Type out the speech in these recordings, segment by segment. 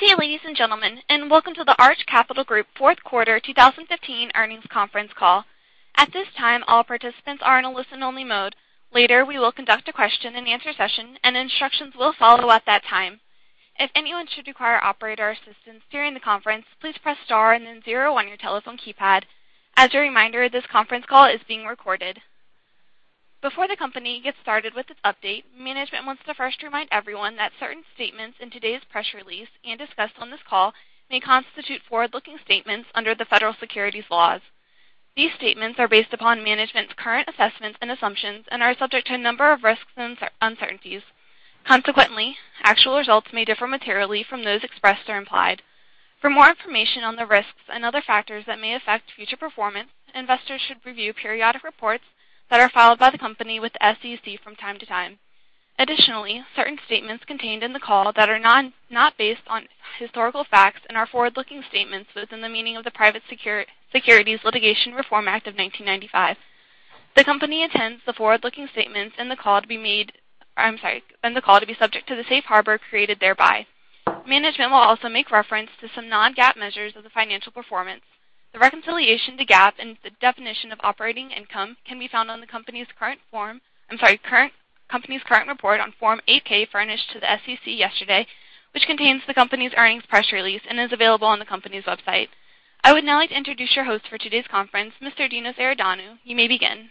Good day, ladies and gentlemen, and welcome to the Arch Capital Group fourth quarter 2015 earnings conference call. At this time, all participants are in a listen-only mode. Later, we will conduct a question and answer session, and instructions will follow at that time. If anyone should require operator assistance during the conference, please press star and then zero on your telephone keypad. As a reminder, this conference call is being recorded. Before the company gets started with its update, management wants to first remind everyone that certain statements in today's press release and discussed on this call may constitute forward-looking statements under the federal securities laws. These statements are based upon management's current assessments and assumptions and are subject to a number of risks and uncertainties. Consequently, actual results may differ materially from those expressed or implied. For more information on the risks and other factors that may affect future performance, investors should review periodic reports that are filed by the company with the SEC from time to time. Additionally, certain statements contained in the call that are not based on historical facts and are forward-looking statements within the meaning of the Private Securities Litigation Reform Act of 1995. The company intends the forward-looking statements in the call to be subject to the safe harbor created thereby. Management will also make reference to some non-GAAP measures of the financial performance. The reconciliation to GAAP and the definition of operating income can be found on the company's current report on Form 8-K furnished to the SEC yesterday, which contains the company's earnings press release and is available on the company's website. I would now like to introduce your host for today's conference, Mr. Dino Iordanou. You may begin.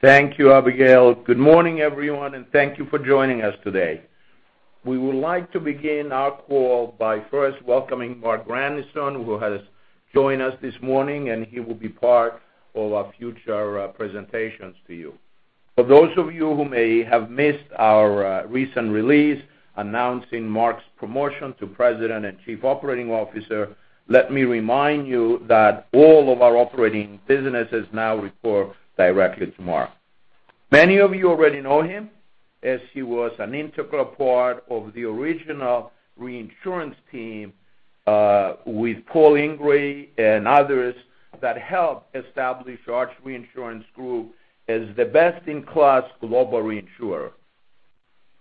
Thank you, Abigail. Good morning, everyone, and thank you for joining us today. We would like to begin our call by first welcoming Marc Grandisson, who has joined us this morning, and he will be part of our future presentations to you. For those of you who may have missed our recent release announcing Marc's promotion to President and Chief Operating Officer, let me remind you that all of our operating businesses now report directly to Marc. Many of you already know him, as he was an integral part of the original reinsurance team, with Paul Ingrey and others that helped establish Arch Reinsurance Group as the best-in-class global reinsurer.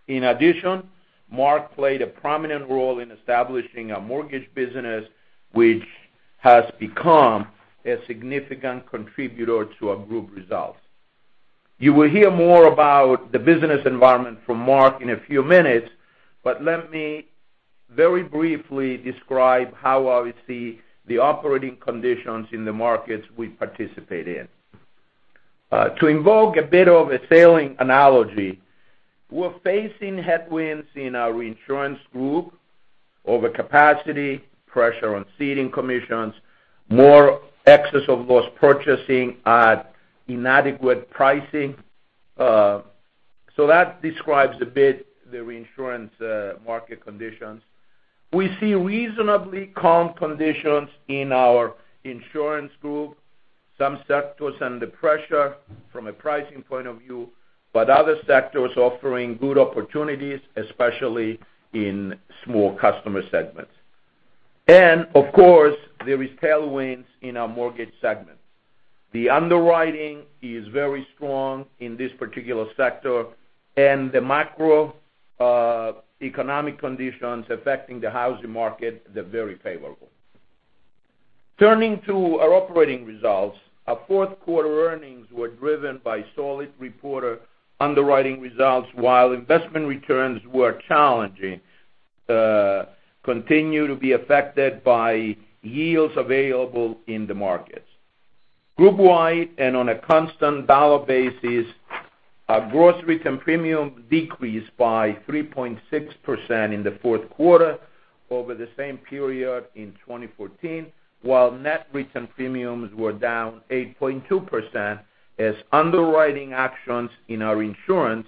In addition, Marc played a prominent role in establishing a mortgage business, which has become a significant contributor to our group results. You will hear more about the business environment from Marc in a few minutes, let me very briefly describe how I see the operating conditions in the markets we participate in. To invoke a bit of a sailing analogy, we're facing headwinds in our reinsurance group over capacity, pressure on ceding commissions, more excess of loss purchasing at inadequate pricing. That describes a bit the reinsurance market conditions. We see reasonably calm conditions in our insurance group. Some sectors under pressure from a pricing point of view, but other sectors offering good opportunities, especially in small customer segments. Of course, there is tailwinds in our mortgage segment. The underwriting is very strong in this particular sector, and the macroeconomic conditions affecting the housing market, they're very favorable. Turning to our operating results, our fourth quarter earnings were driven by solid reported underwriting results while investment returns were challenging, continue to be affected by yields available in the markets. Group-wide and on a constant dollar basis, our gross written premium decreased by 3.6% in the fourth quarter over the same period in 2014, while net written premiums were down 8.2% as underwriting actions in our insurance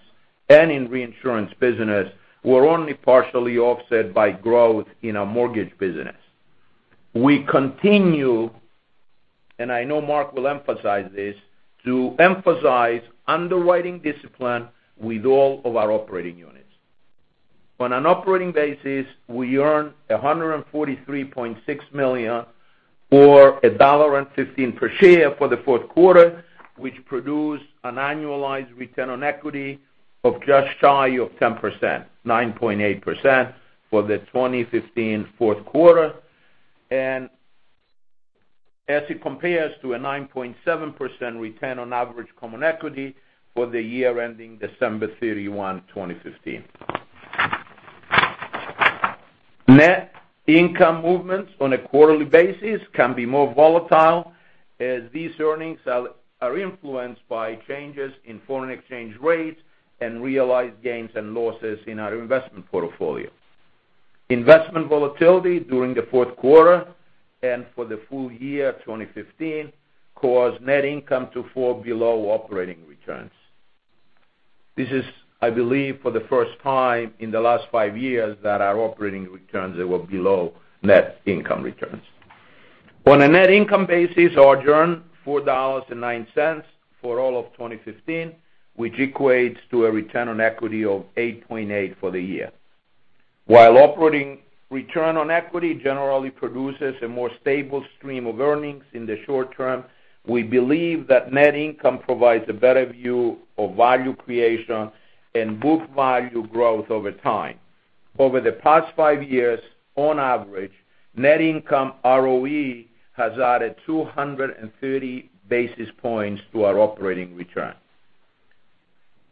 and in reinsurance business were only partially offset by growth in our mortgage business. We continue, and I know Mark will emphasize this, to emphasize underwriting discipline with all of our operating units. On an operating basis, we earned $143.6 million or $1.15 per share for the fourth quarter, which produced an annualized return on equity of just shy of 10%, 9.8% for the 2015 fourth quarter. As it compares to a 9.7% return on average common equity for the year ending December 31, 2015. Net income movements on a quarterly basis can be more volatile, as these earnings are influenced by changes in foreign exchange rates and realized gains and losses in our investment portfolio. Investment volatility during the fourth quarter and for the full year 2015 caused net income to fall below operating returns. This is, I believe, for the first time in the last five years that our operating returns were below net income returns. On a net income basis, our earn $4.09 for all of 2015, which equates to a return on equity of 8.8% for the year. While operating return on equity generally produces a more stable stream of earnings in the short-term, we believe that net income provides a better view of value creation and book value growth over time. Over the past five years, on average, net income ROE has added 230 basis points to our operating return.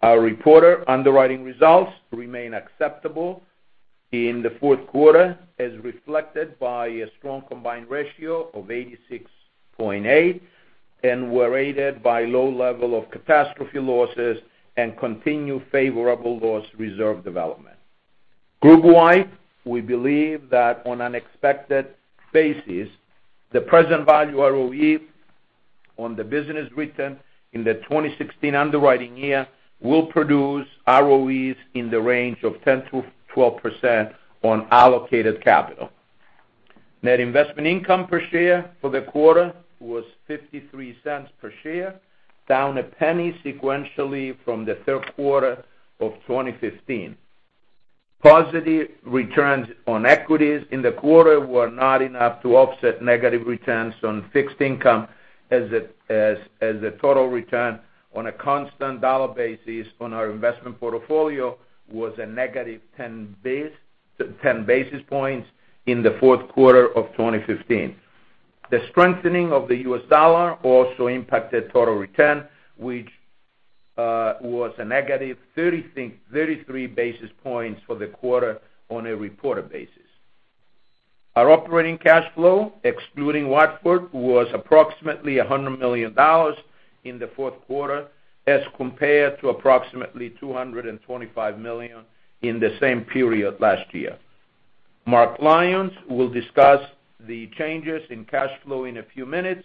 Our reported underwriting results remain acceptable in the fourth quarter, as reflected by a strong combined ratio of 86.8%, and were aided by low level of catastrophe losses and continued favorable loss reserve development. Group-wide, we believe that on an expected basis, the present value ROE on the business written in the 2016 underwriting year will produce ROEs in the range of 10%-12% on allocated capital. Net investment income per share for the quarter was $0.53 per share, down $0.01 sequentially from the third quarter of 2015. Positive returns on equities in the quarter were not enough to offset negative returns on fixed income as a total return on a constant dollar basis on our investment portfolio was a -10 basis points in the fourth quarter of 2015. The strengthening of the U.S. dollar also impacted total return, which was a -33 basis points for the quarter on a reported basis. Our operating cash flow, excluding Watford, was approximately $100 million in the fourth quarter as compared to approximately $225 million in the same period last year. Mark Lyons will discuss the changes in cash flow in a few minutes,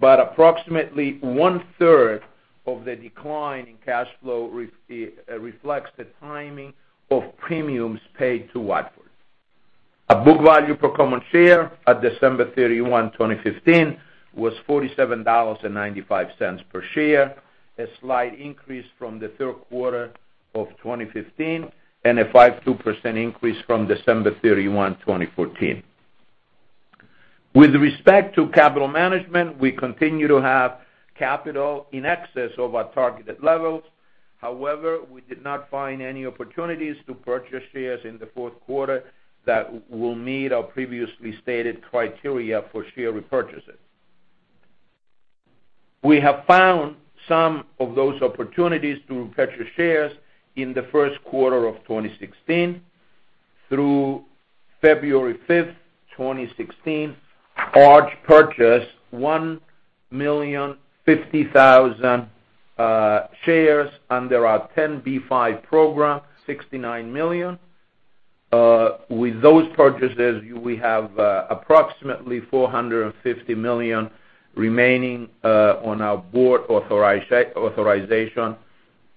but approximately one-third of the decline in cash flow reflects the timing of premiums paid to Watford. A book value per common share at December 31, 2015, was $47.95 per share, a slight increase from the third quarter of 2015, and a 5.2% increase from December 31, 2014. With respect to capital management, we continue to have capital in excess of our targeted levels. However, we did not find any opportunities to purchase shares in the fourth quarter that will meet our previously stated criteria for share repurchases. We have found some of those opportunities to repurchase shares in the first quarter of 2016. Through February 5, 2016, Arch purchased 1,050,000 shares under our 10b5-1 program, $69 million. With those purchases, we have approximately $450 million remaining on our board authorization.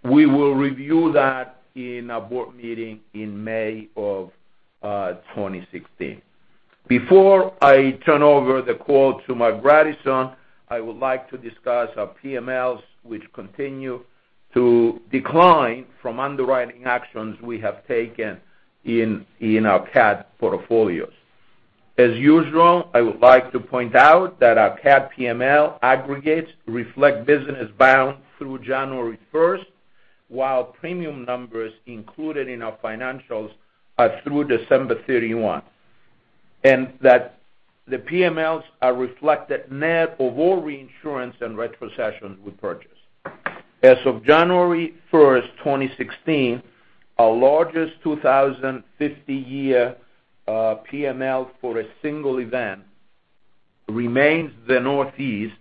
We will review that in a board meeting in May of 2016. Before I turn over the call to Marc Grandisson, I would like to discuss our PMLs, which continue to decline from underwriting actions we have taken in our CAT portfolios. As usual, I would like to point out that our CAT PML aggregates reflect business bound through January 1, while premium numbers included in our financials are through December 31. And that the PMLs are reflected net of all reinsurance and retrocessions we purchase. As of January 1, 2016, our largest 2050-year PML for a single event remains the Northeast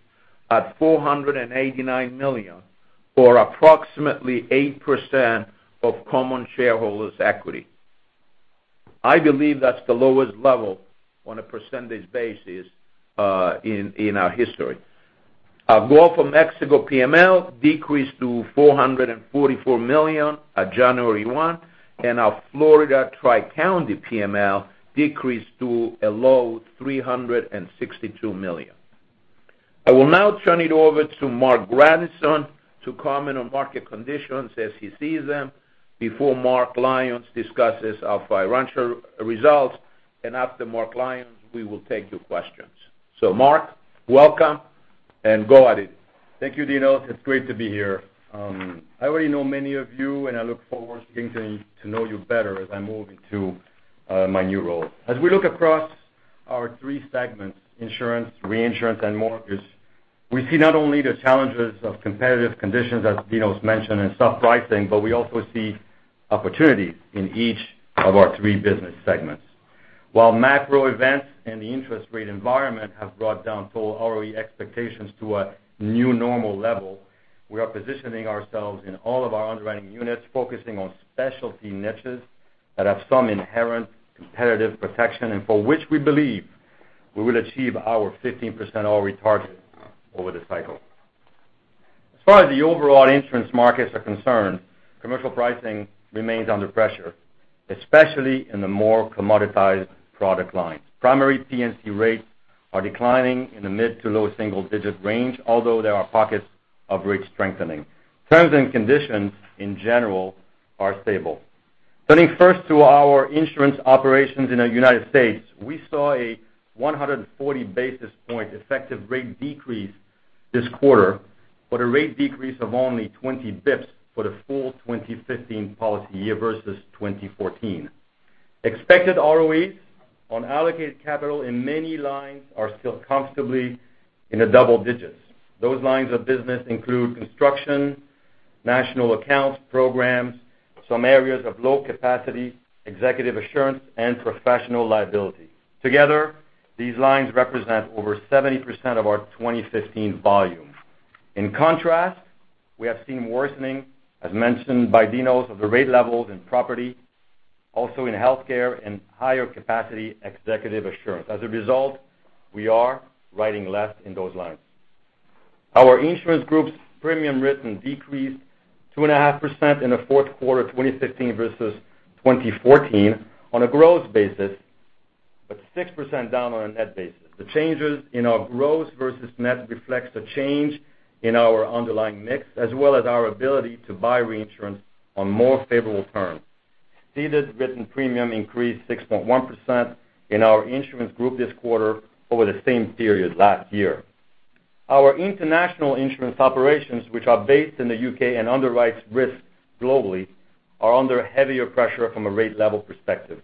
at $489 million, or approximately 8% of common shareholders' equity. I believe that's the lowest level on a percentage basis in our history. Our Gulf of Mexico PML decreased to $444 million on January 1, and our Florida Tri-County PML decreased to a low $362 million. I will now turn it over to Marc Grandisson to comment on market conditions as he sees them before Mark Lyons discusses our financial results. After Mark Lyons, we will take your questions. Mark, welcome, and go at it. Thank you, Dino. It's great to be here. I already know many of you, and I look forward to getting to know you better as I move into my new role. As we look across our three segments, insurance, reinsurance, and mortgage, we see not only the challenges of competitive conditions, as Dinos mentioned, and soft pricing, but we also see opportunities in each of our three business segments. While macro events and the interest rate environment have brought down total ROE expectations to a new normal level, we are positioning ourselves in all of our underwriting units, focusing on specialty niches that have some inherent competitive protection and for which we believe we will achieve our 15% ROE target over the cycle. As far as the overall insurance markets are concerned, commercial pricing remains under pressure, especially in the more commoditized product lines. Primary P&C rates are declining in the mid to low single-digit range, although there are pockets of rate strengthening. Terms and conditions in general are stable. Turning first to our insurance operations in the U.S., we saw a 140 basis point effective rate decrease this quarter, but a rate decrease of only 20 basis points for the full 2015 policy year versus 2014. Expected ROEs on allocated capital in many lines are still comfortably in the double digits. Those lines of business include construction, national accounts programs, some areas of low capacity, executive assurance, and professional liability. Together, these lines represent over 70% of our 2015 volume. In contrast, we have seen worsening, as mentioned by Dinos, of the rate levels in property, also in healthcare and higher capacity executive assurance. As a result, we are writing less in those lines. Our insurance group's premium written decreased 2.5% in the fourth quarter 2015 versus 2014 on a gross basis, but 6% down on a net basis. The changes in our gross versus net reflects the change in our underlying mix, as well as our ability to buy reinsurance on more favorable terms. Ceded written premium increased 6.1% in our insurance group this quarter over the same period last year. Our international insurance operations, which are based in the U.K. and underwrites risk globally, are under heavier pressure from a rate level perspective.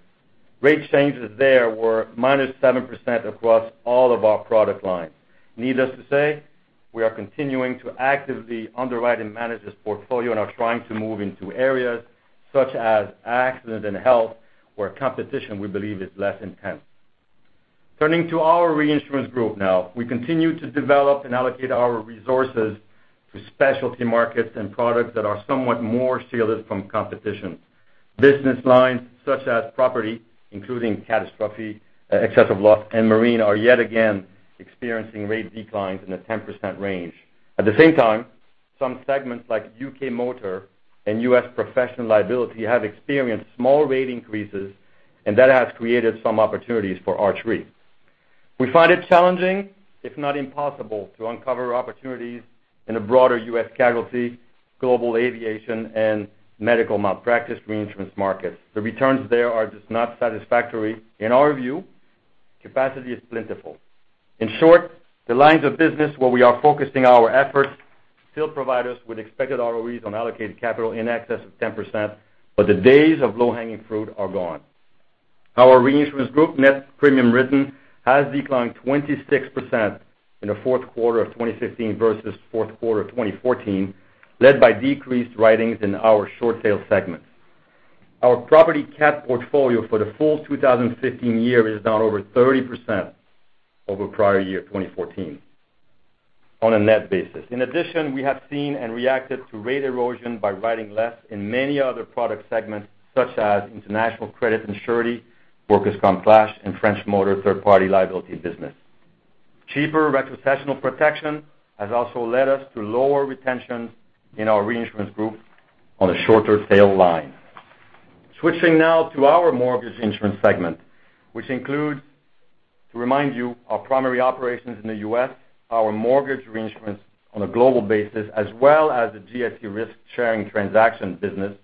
Rate changes there were minus 7% across all of our product lines. Needless to say, we are continuing to actively underwrite and manage this portfolio and are trying to move into areas such as accident and health, where competition, we believe, is less intense. Turning to our reinsurance group now. We continue to develop and allocate our resources to specialty markets and products that are somewhat more shielded from competition. Business lines such as property, including catastrophe, excessive loss, and marine, are yet again experiencing rate declines in the 10% range. At the same time, some segments like U.K. motor and U.S. professional liability have experienced small rate increases, and that has created some opportunities for Arch Re. We find it challenging, if not impossible, to uncover opportunities in the broader U.S. casualty, global aviation, and medical malpractice reinsurance markets. The returns there are just not satisfactory. In our view, capacity is plentiful. In short, the lines of business where we are focusing our efforts still provide us with expected ROEs on allocated capital in excess of 10%, but the days of low-hanging fruit are gone. Our reinsurance group net premium written has declined 26% in the fourth quarter of 2015 versus fourth quarter of 2014, led by decreased writings in our short tail segments. Our property cat portfolio for the full 2015 year is down over 30% over prior year 2014 on a net basis. In addition, we have seen and reacted to rate erosion by writing less in many other product segments, such as international credit and surety, workers' comp flash, and French motor third-party liability business. Cheaper retrocessional protection has also led us to lower retention in our reinsurance group on the shorter tail line. Switching now to our mortgage insurance segment, which includes, to remind you, our primary operations in the U.S., our mortgage reinsurance on a global basis, as well as the GSE risk sharing transaction business.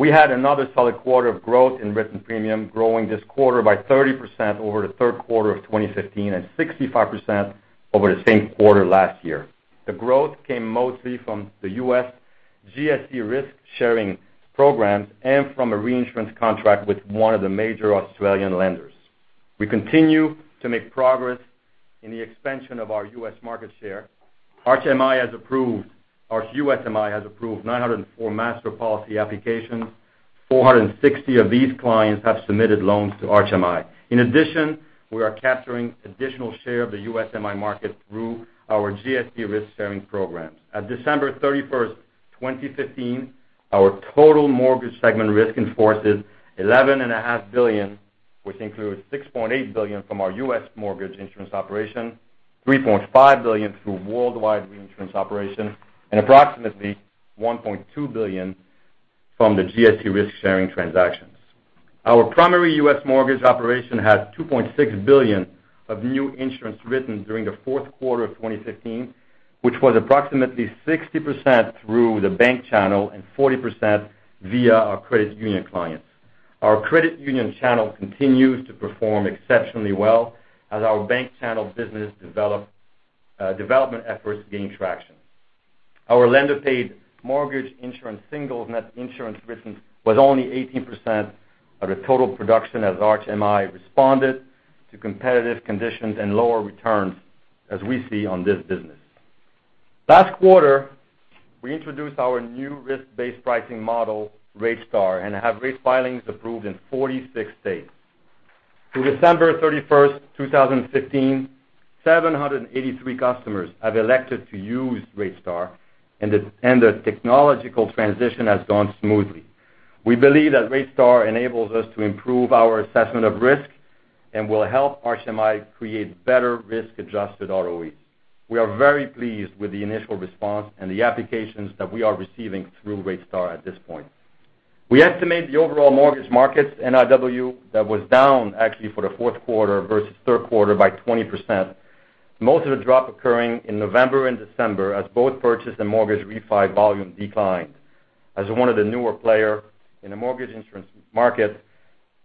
We had another solid quarter of growth in written premium, growing this quarter by 30% over the third quarter of 2015 and 65% over the same quarter last year. The growth came mostly from the U.S. GSE risk-sharing programs and from a reinsurance contract with one of the major Australian lenders. We continue to make progress in the expansion of our U.S. market share. Our USMI has approved 904 master policy applications. 460 of these clients have submitted loans to Arch MI. In addition, we are capturing additional share of the USMI market through our GSE risk-sharing programs. At December 31, 2015, our total mortgage segment risk in force is $11.5 billion, which includes $6.8 billion from our U.S. mortgage insurance operation, $3.5 billion through worldwide reinsurance operations, and approximately $1.2 billion from the GSE risk-sharing transactions. Our primary U.S. mortgage operation had $2.6 billion of new insurance written during the fourth quarter of 2015, which was approximately 60% through the bank channel and 40% via our credit union clients. Our credit union channel continues to perform exceptionally well as our bank channel business development efforts gain traction. Our lender-paid mortgage insurance single net insurance written was only 18% of the total production as Arch MI responded to competitive conditions and lower returns as we see on this business. Last quarter, we introduced our new risk-based pricing model, RateStar, and have rate filings approved in 46 states. Through December 31, 2015, 783 customers have elected to use RateStar and the technological transition has gone smoothly. We believe that RateStar enables us to improve our assessment of risk and will help Arch MI create better risk-adjusted ROEs. We are very pleased with the initial response and the applications that we are receiving through RateStar at this point. We estimate the overall mortgage markets NIW that was down actually for the fourth quarter versus third quarter by 20%. Most of the drop occurring in November and December as both purchase and mortgage refi volume declined. As one of the newer player in the mortgage insurance market,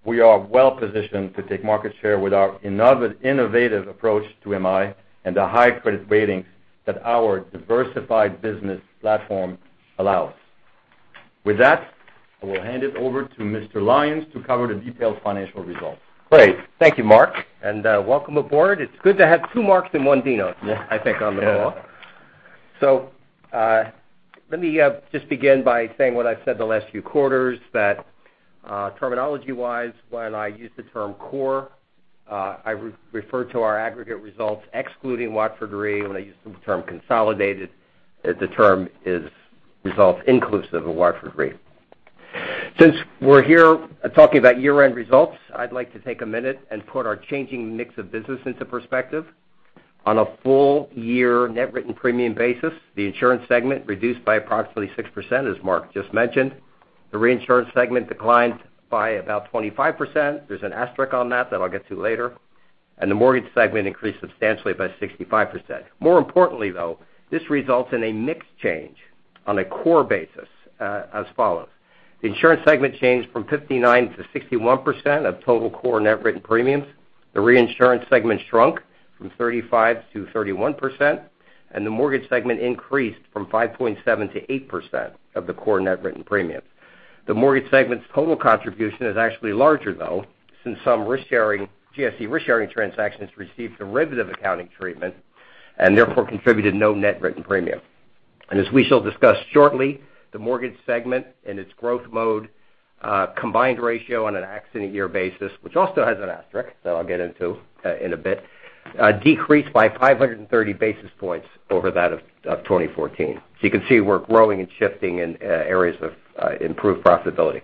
we are well-positioned to take market share with our innovative approach to MI and the high credit ratings that our diversified business platform allows. With that, I will hand it over to Mr. Lyons to cover the detailed financial results. Great. Thank you, Mark, and welcome aboard. It's good to have two Marks and one Dino, I think, on the call. Yeah. Let me just begin by saying what I've said the last few quarters, that terminology-wise, when I use the term core, I refer to our aggregate results excluding Watford Re. When I use the term consolidated, the term is results inclusive of Watford Re. Since we're here talking about year-end results, I'd like to take a minute and put our changing mix of business into perspective. On a full year net written premium basis, the insurance segment reduced by approximately 6%, as Mark just mentioned. The reinsurance segment declined by about 25%. There's an asterisk on that that I'll get to later. The mortgage segment increased substantially by 65%. More importantly, though, this results in a mix change on a core basis as follows. The insurance segment changed from 59 to 61% of total core net written premiums. The reinsurance segment shrunk from 35 to 31%, and the mortgage segment increased from 5.7 to 8% of the core net written premiums. The mortgage segment's total contribution is actually larger, though, since some GSE risk-sharing transactions received derivative accounting treatment and therefore contributed no net written premium. As we shall discuss shortly, the mortgage segment and its growth mode, combined ratio on an accident year basis, which also has an asterisk, that I'll get into in a bit, decreased by 530 basis points over that of 2014. You can see we're growing and shifting in areas of improved profitability.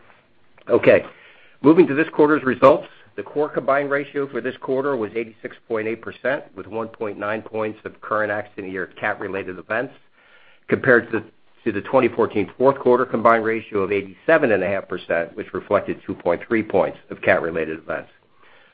Moving to this quarter's results. The core combined ratio for this quarter was 86.8%, with 1.9 points of current accident year cat-related events, compared to the 2014 fourth quarter combined ratio of 87.5%, which reflected 2.3 points of cat-related events.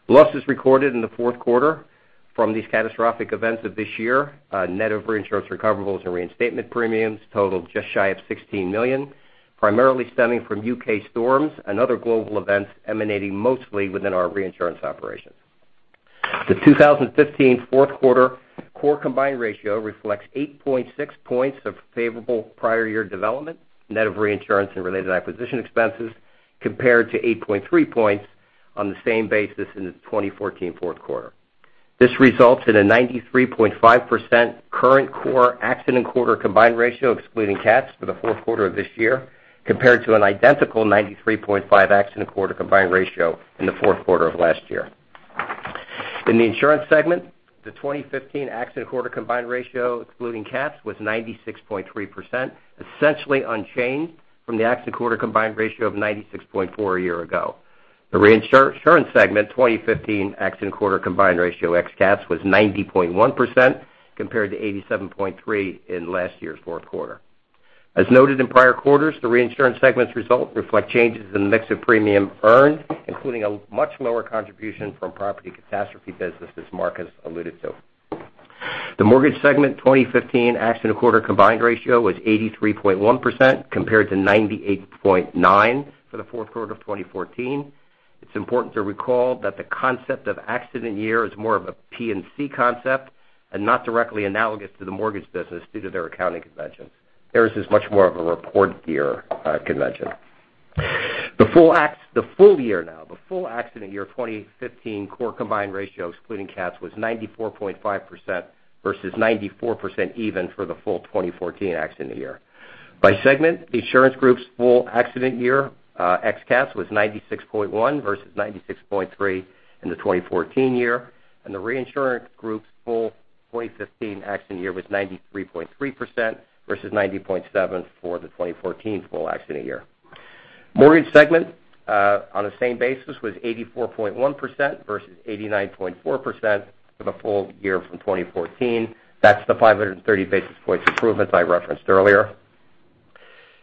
Losses recorded in the fourth quarter from these catastrophic events of this year, net of reinsurance recoverables and reinstatement premiums totaled just shy of $16 million, primarily stemming from U.K. storms and other global events emanating mostly within our reinsurance operations. The 2015 fourth quarter core combined ratio reflects 8.6 points of favorable prior year development, net of reinsurance and related acquisition expenses, compared to 8.3 points on the same basis in the 2014 fourth quarter. This results in a 93.5% current core accident quarter combined ratio, excluding cats for the fourth quarter of this year, compared to an identical 93.5 accident quarter combined ratio in the fourth quarter of last year. In the insurance segment, the 2015 accident quarter combined ratio, excluding cats, was 96.3%, essentially unchanged from the accident quarter combined ratio of 96.4 a year ago. The reinsurance segment 2015 accident quarter combined ratio ex cats was 90.1%, compared to 87.3 in last year's fourth quarter. As noted in prior quarters, the reinsurance segment's result reflect changes in the mix of premium earned, including a much lower contribution from property catastrophe business, as Mark has alluded to. The mortgage segment 2015 accident quarter combined ratio was 83.1%, compared to 98.9 for the fourth quarter of 2014. It's important to recall that the concept of accident year is more of a P&C concept and not directly analogous to the mortgage business due to their accounting conventions. Theirs is much more of a report year convention. The full year now, the full accident year 2015 core combined ratio excluding cats was 94.5% versus 94% even for the full 2014 accident year. By segment, the insurance group's full accident year ex cats was 96.1% versus 96.3% in the 2014 year, and the reinsurance group's full 2015 accident year was 93.3% versus 90.7% for the 2014 full accident year. Mortgage segment, on the same basis, was 84.1% versus 89.4% for the full year from 2014. That's the 530 basis points improvement I referenced earlier.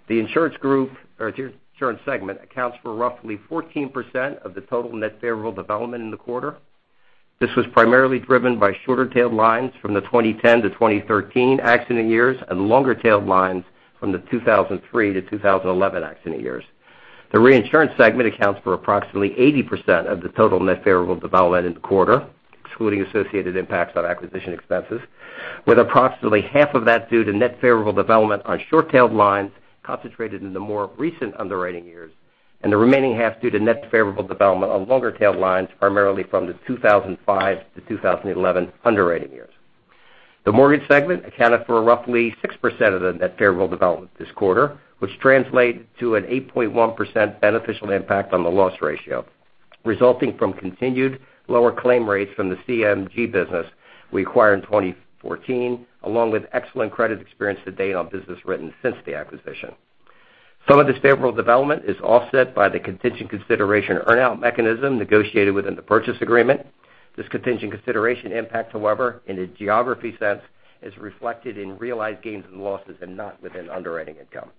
The insurance segment accounts for roughly 14% of the total net favorable development in the quarter. This was primarily driven by shorter-tailed lines from the 2010-2013 accident years and longer-tailed lines from the 2003-2011 accident years. The reinsurance segment accounts for approximately 80% of the total net favorable development in the quarter, excluding associated impacts on acquisition expenses, with approximately half of that due to net favorable development on short-tailed lines concentrated in the more recent underwriting years and the remaining half due to net favorable development on longer-tailed lines, primarily from the 2005-2011 underwriting years. The mortgage segment accounted for roughly 6% of the net favorable development this quarter, which translate to an 8.1% beneficial impact on the loss ratio, resulting from continued lower claim rates from the CMG business we acquired in 2014, along with excellent credit experience to date on business written since the acquisition. Some of this favorable development is offset by the contingent consideration earn-out mechanism negotiated within the purchase agreement. This contingent consideration impact, however, in a geography sense, is reflected in realized gains and losses and not within underwriting income.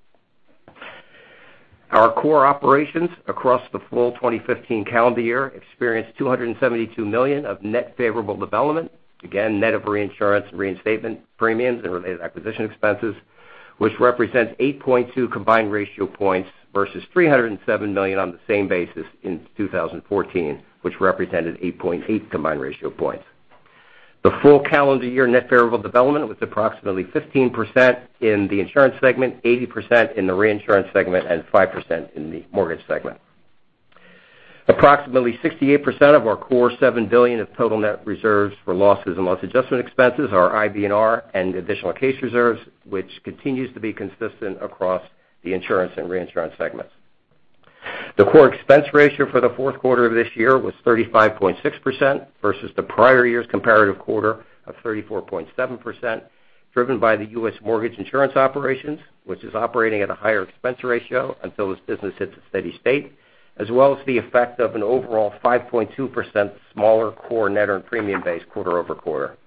Our core operations across the full 2015 calendar year experienced $272 million of net favorable development, again, net of reinsurance and reinstatement premiums and related acquisition expenses, which represents 8.2 combined ratio points versus $307 million on the same basis in 2014, which represented 8.8 combined ratio points. The full calendar year net favorable development was approximately 15% in the insurance segment, 80% in the reinsurance segment, and 5% in the mortgage segment. Approximately 68% of our core $7 billion of total net reserves for losses and loss adjustment expenses are IBNR and additional case reserves, which continues to be consistent across the insurance and reinsurance segments. The core expense ratio for the fourth quarter of this year was 35.6% versus the prior year's comparative quarter of 34.7%, driven by the U.S. mortgage insurance operations, which is operating at a higher expense ratio until this business hits a steady state, as well as the effect of an overall 5.2% smaller core net earned premium base quarter-over-quarter.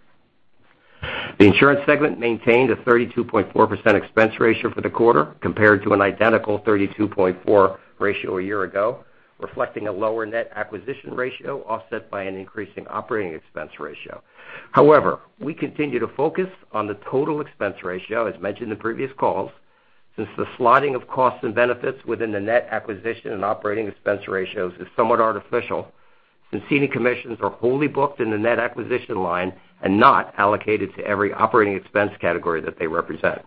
The insurance segment maintained a 32.4% expense ratio for the quarter, compared to an identical 32.4% ratio a year ago, reflecting a lower net acquisition ratio offset by an increasing operating expense ratio. However, we continue to focus on the total expense ratio as mentioned in previous calls, since the slotting of costs and benefits within the net acquisition and operating expense ratios is somewhat artificial since seating commissions are wholly booked in the net acquisition line and not allocated to every operating expense category that they represent.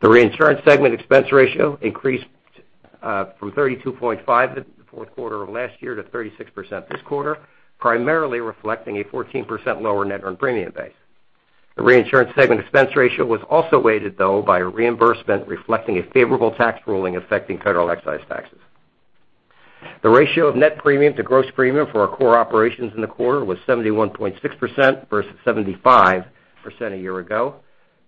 The reinsurance segment expense ratio increased from 32.5% in the fourth quarter of last year to 36% this quarter, primarily reflecting a 14% lower net earned premium base. The reinsurance segment expense ratio was also weighted, though, by a reimbursement reflecting a favorable tax ruling affecting federal excise taxes. The ratio of net premium to gross premium for our core operations in the quarter was 71.6% versus 75% a year ago.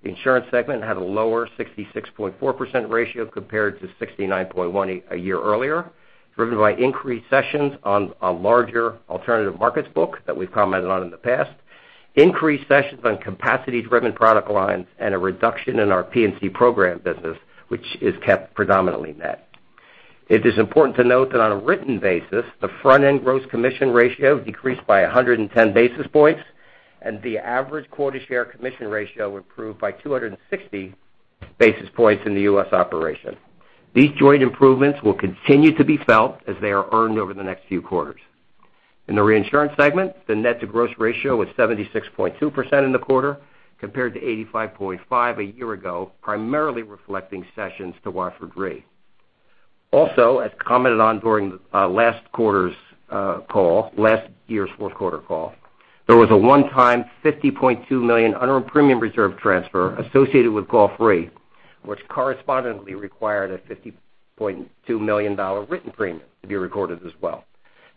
The insurance segment had a lower 66.4% ratio compared to 69.1% a year earlier, driven by increased sessions on a larger alternative markets book that we've commented on in the past, increased sessions on capacities-driven product lines, and a reduction in our P&C program business, which is kept predominantly net. It is important to note that on a written basis, the front-end gross commission ratio decreased by 110 basis points, and the average quota share commission ratio improved by 260 basis points in the U.S. operation. These joint improvements will continue to be felt as they are earned over the next few quarters. In the reinsurance segment, the net to gross ratio was 76.2% in the quarter compared to 85.5% a year ago, primarily reflecting sessions to Watford Re. Also, as commented on during last year's fourth quarter call, there was a one-time $50.2 million unearned premium reserve transfer associated with Gulf Re, which correspondingly required a $50.2 million written premium to be recorded as well.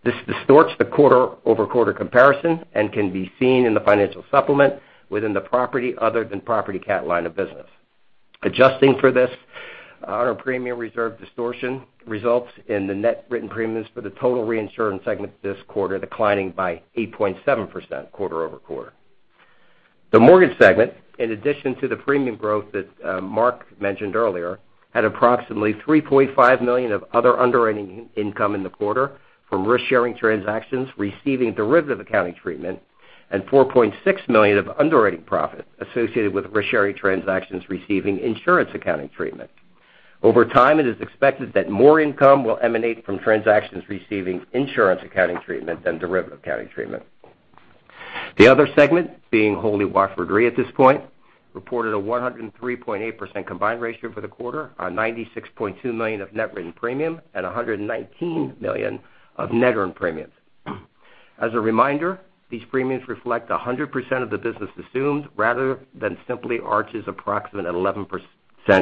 This distorts the quarter-over-quarter comparison and can be seen in the financial supplement within the property other than property cat line of business. Adjusting for this unearned premium reserve distortion results in the net written premiums for the total reinsurance segment this quarter declining by 8.7% quarter-over-quarter. The mortgage segment, in addition to the premium growth that Mark mentioned earlier, had approximately $3.5 million of other underwriting income in the quarter from risk-sharing transactions receiving derivative accounting treatment and $4.6 million of underwriting profit associated with risk-sharing transactions receiving insurance accounting treatment. Over time, it is expected that more income will emanate from transactions receiving insurance accounting treatment than derivative accounting treatment. The other segment, being wholly Watford Re at this point, reported a 103.8% combined ratio for the quarter on $96.2 million of net written premium and $119 million of net earned premiums. As a reminder, these premiums reflect 100% of the business assumed rather than simply Arch's approximate 11%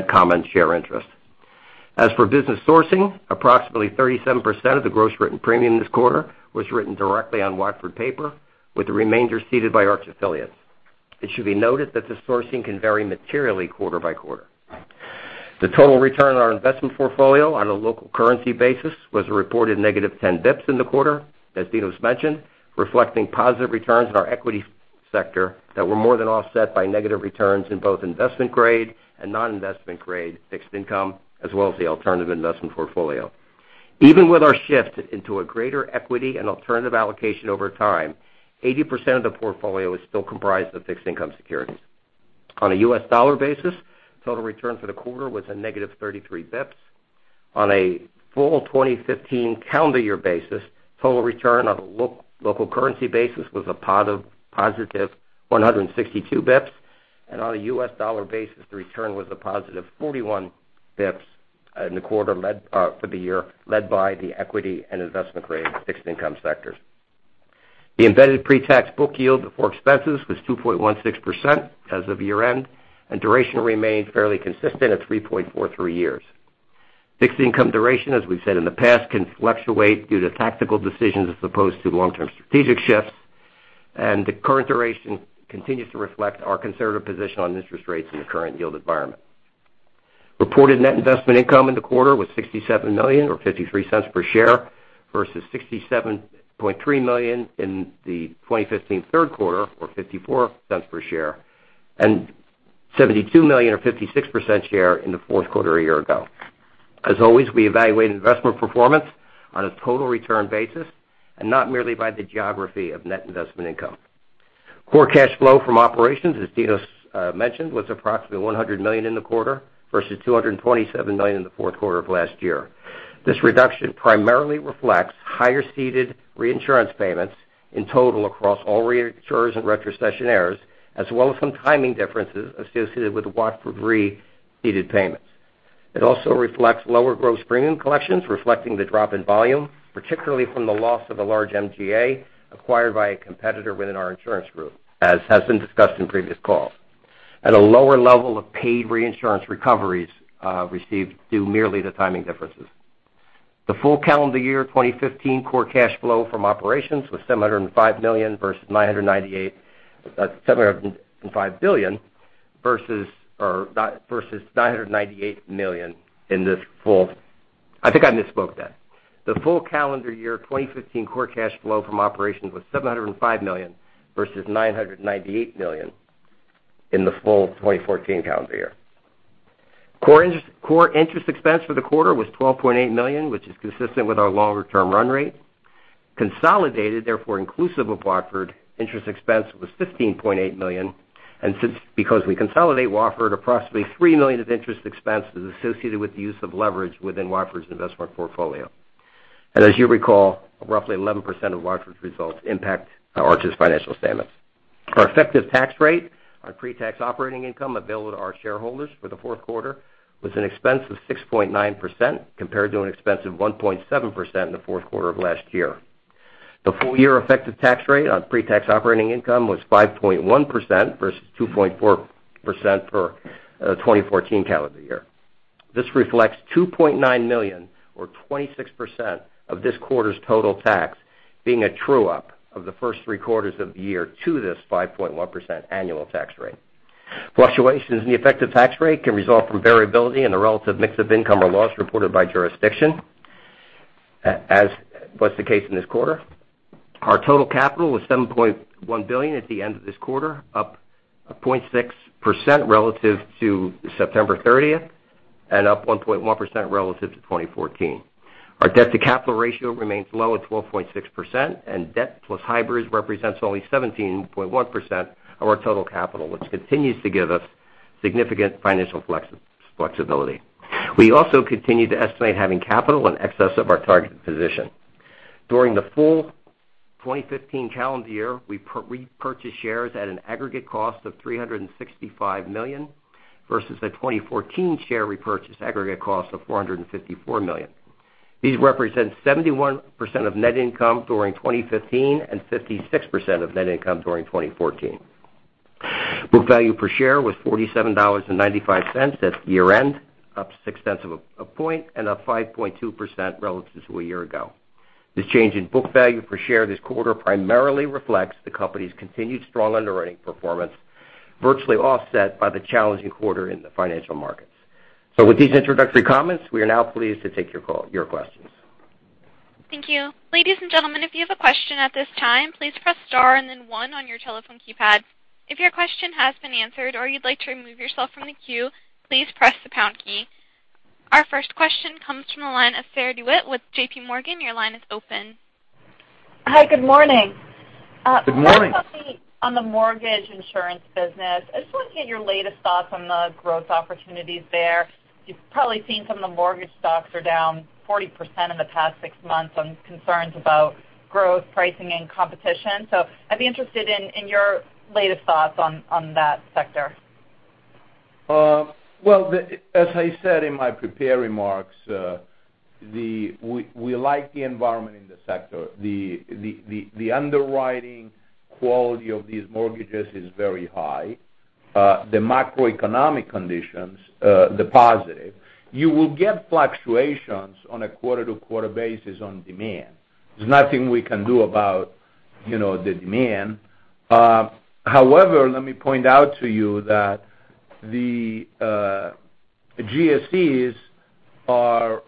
common share interest. As for business sourcing, approximately 37% of the gross written premium this quarter was written directly on Watford Paper, with the remainder seated by Arch affiliates. It should be noted that the sourcing can vary materially quarter by quarter. The total return on our investment portfolio on a local currency basis was a reported negative 10 basis points in the quarter, as Dinos mentioned, reflecting positive returns in our equity sector that were more than offset by negative returns in both investment grade and non-investment grade fixed income, as well as the alternative investment portfolio. Even with our shift into a greater equity and alternative allocation over time, 80% of the portfolio is still comprised of fixed income securities. On a U.S. dollar basis, total return for the quarter was a negative 33 basis points. On a full 2015 calendar year basis, total return on a local currency basis was a positive 162 basis points, and on a U.S. dollar basis, the return was a positive 41 basis points for the year led by the equity and investment grade fixed income sectors. The embedded pre-tax book yield before expenses was 2.16% as of year-end, and duration remains fairly consistent at 3.43 years. Fixed income duration, as we've said in the past, can fluctuate due to tactical decisions as opposed to long-term strategic shifts, and the current duration continues to reflect our conservative position on interest rates in the current yield environment. Reported net investment income in the quarter was $67 million, or $0.53 per share, versus $67.3 million in the 2015 third quarter, or $0.54 per share, and $72 million or $0.56 per share in the fourth quarter a year ago. As always, we evaluate investment performance on a total return basis and not merely by the geography of net investment income. Core cash flow from operations, as Dinos mentioned, was approximately $100 million in the quarter versus $227 million in the fourth quarter of last year. This reduction primarily reflects higher ceded reinsurance payments in total across all reinsurers and retrocessionaires, as well as some timing differences associated with the Watford Re ceded payments. It also reflects lower gross premium collections, reflecting the drop in volume, particularly from the loss of a large MGA acquired by a competitor within our insurance group, as has been discussed in previous calls, at a lower level of paid reinsurance recoveries received due merely to timing differences. The full calendar year 2015 core cash flow from operations was $705 million versus $998 million in this full I think I misspoke then. The full calendar year 2015 core cash flow from operations was $705 million versus $998 million in the full 2014 calendar year. Core interest expense for the quarter was $12.8 million, which is consistent with our longer-term run rate. Consolidated, therefore inclusive of Watford, interest expense was $15.8 million. Since, because we consolidate Watford, approximately $3 million of interest expense is associated with the use of leverage within Watford's investment portfolio. As you recall, roughly 11% of Watford's results impact Arch's financial statements. Our effective tax rate on pre-tax operating income available to our shareholders for the fourth quarter was an expense of 6.9% compared to an expense of 1.7% in the fourth quarter of last year. The full-year effective tax rate on pre-tax operating income was 5.1% versus 2.4% for 2014 calendar year. This reflects $2.9 million or 26% of this quarter's total tax being a true-up of the first three quarters of the year to this 5.1% annual tax rate. Fluctuations in the effective tax rate can result from variability in the relative mix of income or loss reported by jurisdiction, as was the case in this quarter. Our total capital was $7.1 billion at the end of this quarter, up 0.6% relative to September 30th and up 1.1% relative to 2014. Our debt-to-capital ratio remains low at 12.6%, and debt plus hybrids represents only 17.1% of our total capital, which continues to give us significant financial flexibility. We also continue to estimate having capital in excess of our targeted position. During the full 2015 calendar year, we repurchased shares at an aggregate cost of $365 million versus the 2014 share repurchase aggregate cost of $454 million. These represent 71% of net income during 2015 and 56% of net income during 2014. Book value per share was $47.95 at year-end, up six tenths of a point and up 5.2% relative to a year ago. This change in book value per share this quarter primarily reflects the company's continued strong underwriting performance, virtually offset by the challenging quarter in the financial markets. With these introductory comments, we are now pleased to take your questions. Thank you. Ladies and gentlemen, if you have a question at this time, please press star and then one on your telephone keypad. If your question has been answered or you'd like to remove yourself from the queue, please press the pound key. Our first question comes from the line of Sarah DeWitt with JPMorgan. Your line is open. Hi, good morning. Good morning. Quickly on the mortgage insurance business, I just want to get your latest thoughts on the growth opportunities there. You've probably seen some of the mortgage stocks are down 40% in the past six months on concerns about growth, pricing, and competition. I'd be interested in your latest thoughts on that sector. Well, as I said in my prepared remarks, we like the environment in the sector. The underwriting quality of these mortgages is very high. The macroeconomic conditions are positive. You will get fluctuations on a quarter-to-quarter basis on demand. There's nothing we can do about the demand. However, let me point out to you that the GSEs are,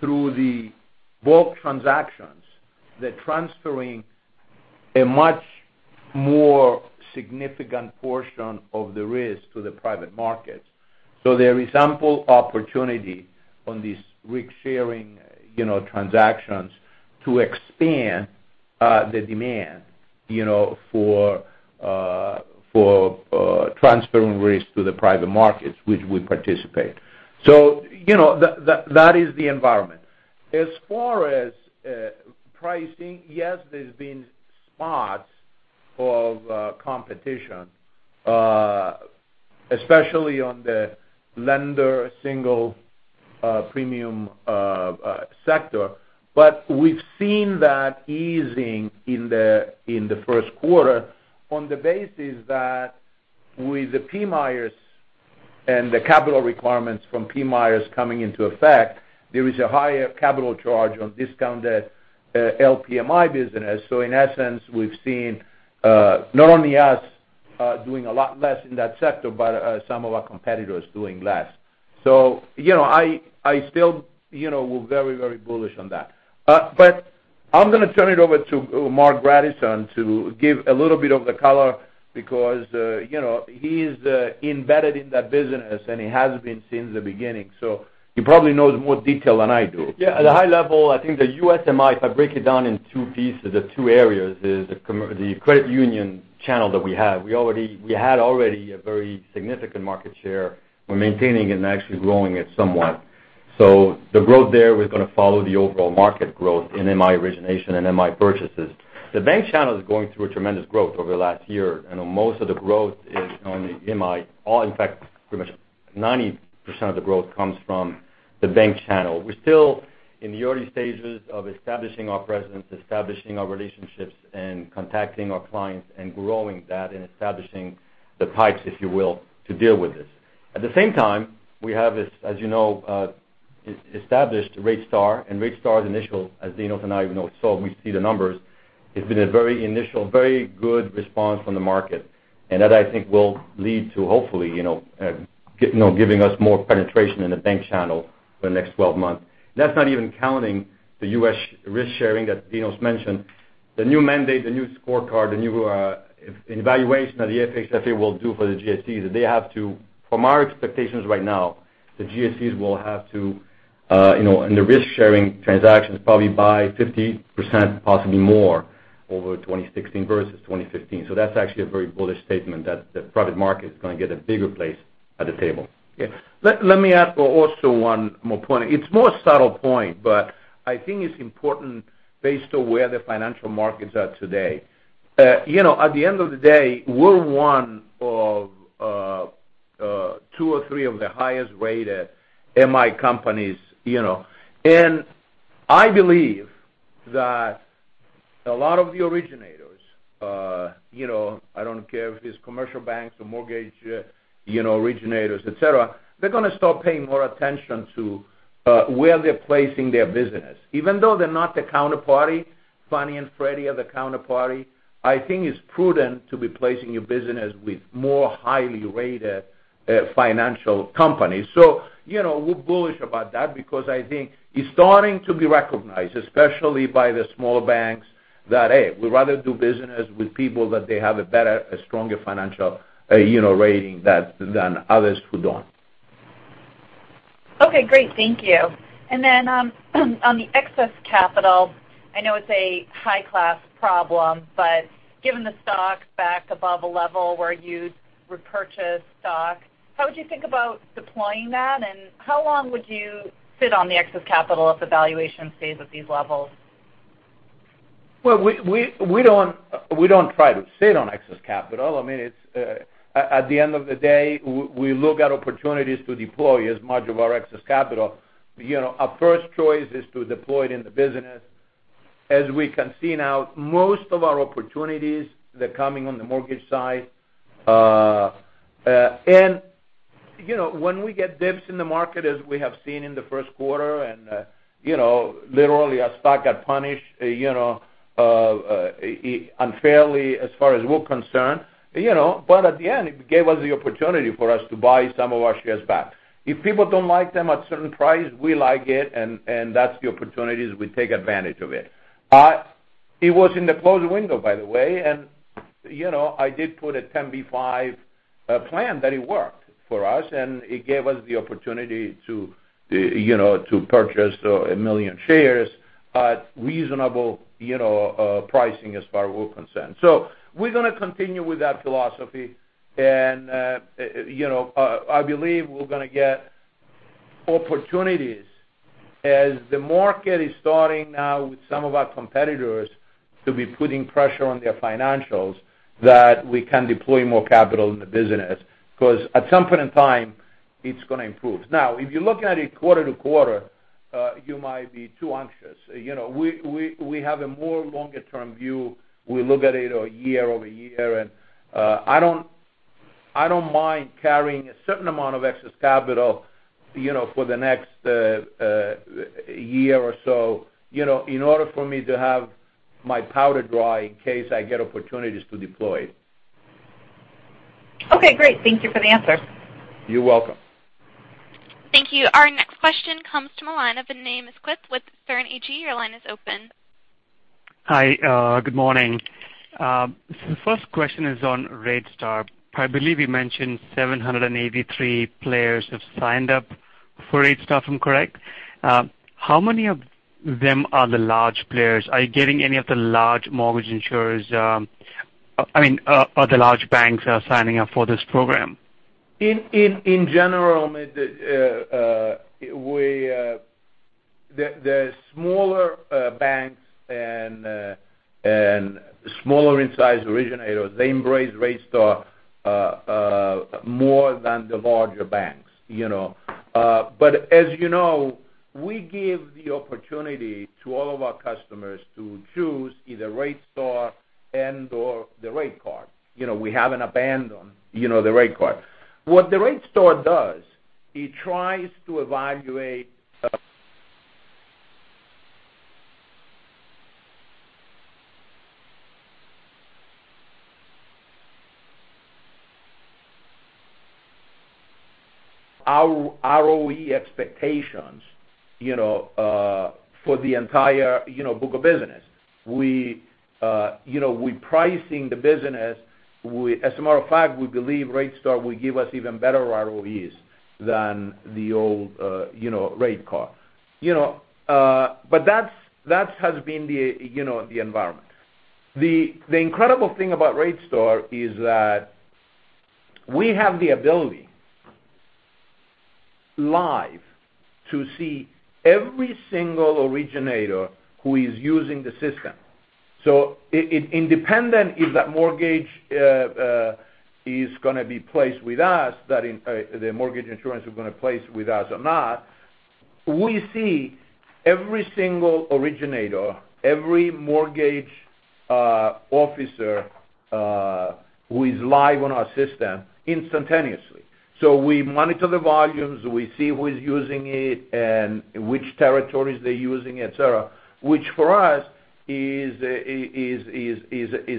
through the bulk transactions, they're transferring a much more significant portion of the risk to the private markets. There is ample opportunity on these risk-sharing transactions to expand the demand for transferring risk to the private markets, which we participate. That is the environment. As far as pricing, yes, there's been spots of competition, especially on the lender single premium sector. We've seen that easing in the first quarter on the basis that with the PMIERs and the capital requirements from PMIERs coming into effect, there is a higher capital charge on discounted LPMI business. In essence, we've seen not only us doing a lot less in that sector, but some of our competitors doing less. We're very bullish on that. I'm going to turn it over to Marc Grandisson to give a little bit of the color because he's embedded in that business, and he has been since the beginning. He probably knows more detail than I do. Yeah. At a high level, I think the USMI, if I break it down in two pieces or two areas, is the credit union channel that we have. We had already a very significant market share. We're maintaining and actually growing it somewhat. The growth there is going to follow the overall market growth in MI origination and MI purchases. The bank channel is going through a tremendous growth over the last year, and most of the growth is on the MI. In fact, pretty much 90% of the growth comes from the bank channel. We're still in the early stages of establishing our presence, establishing our relationships, and contacting our clients and growing that and establishing the pipes, if you will, to deal with this. At the same time, we have, as you know, established RateStar, and RateStar's initial, as Dinos and I know, so we see the numbers, it's been a very initial, very good response from the market. That, I think, will lead to hopefully, giving us more penetration in the bank channel for the next 12 months. That's not even counting the U.S. risk-sharing that Dinos mentioned. The new mandate, the new scorecard, the new evaluation that the FHFA will do for the GSEs. From our expectations right now, the GSEs will have to, in the risk-sharing transactions, probably buy 50%, possibly more, over 2016 versus 2015. That's actually a very bullish statement that the private market is going to get a bigger place at the table. Okay. Let me add also one more point. It's more subtle point, but I think it's important based on where the financial markets are today. At the end of the day, we're one of two or three of the highest-rated MI companies. I believe that a lot of the originators, I don't care if it's commercial banks or mortgage originators, et cetera, they're going to start paying more attention to where they're placing their business. Even though they're not the counterparty, Fannie and Freddie are the counterparty, I think it's prudent to be placing your business with more highly rated financial companies. We're bullish about that because I think it's starting to be recognized, especially by the smaller banks, that, hey, we'd rather do business with people that they have a better, a stronger financial rating than others who don't. Okay, great. Thank you. Then on the excess capital, I know it's a high-class problem, but given the stock's back above a level where you'd repurchase stock, how would you think about deploying that, and how long would you sit on the excess capital if the valuation stays at these levels? Well, we don't try to sit on excess capital. I mean, at the end of the day, we look at opportunities to deploy as much of our excess capital. Our first choice is to deploy it in the business. As we can see now, most of our opportunities, they're coming on the mortgage side. When we get dips in the market, as we have seen in the first quarter, and literally our stock got punished unfairly as far as we're concerned. At the end, it gave us the opportunity for us to buy some of our shares back. If people don't like them at a certain price, we like it, and that's the opportunity, we take advantage of it. It was in the closed window, by the way, I did put a 10b5-1 plan that it worked for us, it gave us the opportunity to purchase 1 million shares at reasonable pricing as far as we're concerned. We're going to continue with that philosophy. I believe we're going to get opportunities as the market is starting now with some of our competitors to be putting pressure on their financials that we can deploy more capital in the business because at some point in time, it's going to improve. Now, if you're looking at it quarter-to-quarter, you might be too anxious. We have a more longer-term view. We look at it year-over-year. I don't mind carrying a certain amount of excess capital for the next year or so in order for me to have my powder dry in case I get opportunities to deploy. Okay, great. Thank you for the answer. You're welcome. Thank you. Our next question comes from a line of the name is [Kai Pan with Sterne Agee]. Your line is open. Hi. Good morning. The first question is on RateStar. I believe you mentioned 783 players have signed up for RateStar, if I'm correct. How many of them are the large players? Are you getting any of the large banks signing up for this program? In general, the smaller banks and smaller in size originators, they embrace RateStar more than the larger banks. As you know, we give the opportunity to all of our customers to choose either RateStar and/or the RateCard. We haven't abandoned the RateCard. What the RateStar does, it tries to evaluate our ROE expectations for the entire book of business. We're pricing the business. As a matter of fact, we believe RateStar will give us even better ROEs than the old RateCard. That has been the environment. The incredible thing about RateStar is that we have the ability, live, to see every single originator who is using the system. Independent if that mortgage insurance we're going to place with us or not, we see every single originator, every mortgage officer who is live on our system instantaneously. We monitor the volumes, we see who is using it, and which territories they're using, et cetera, which for us is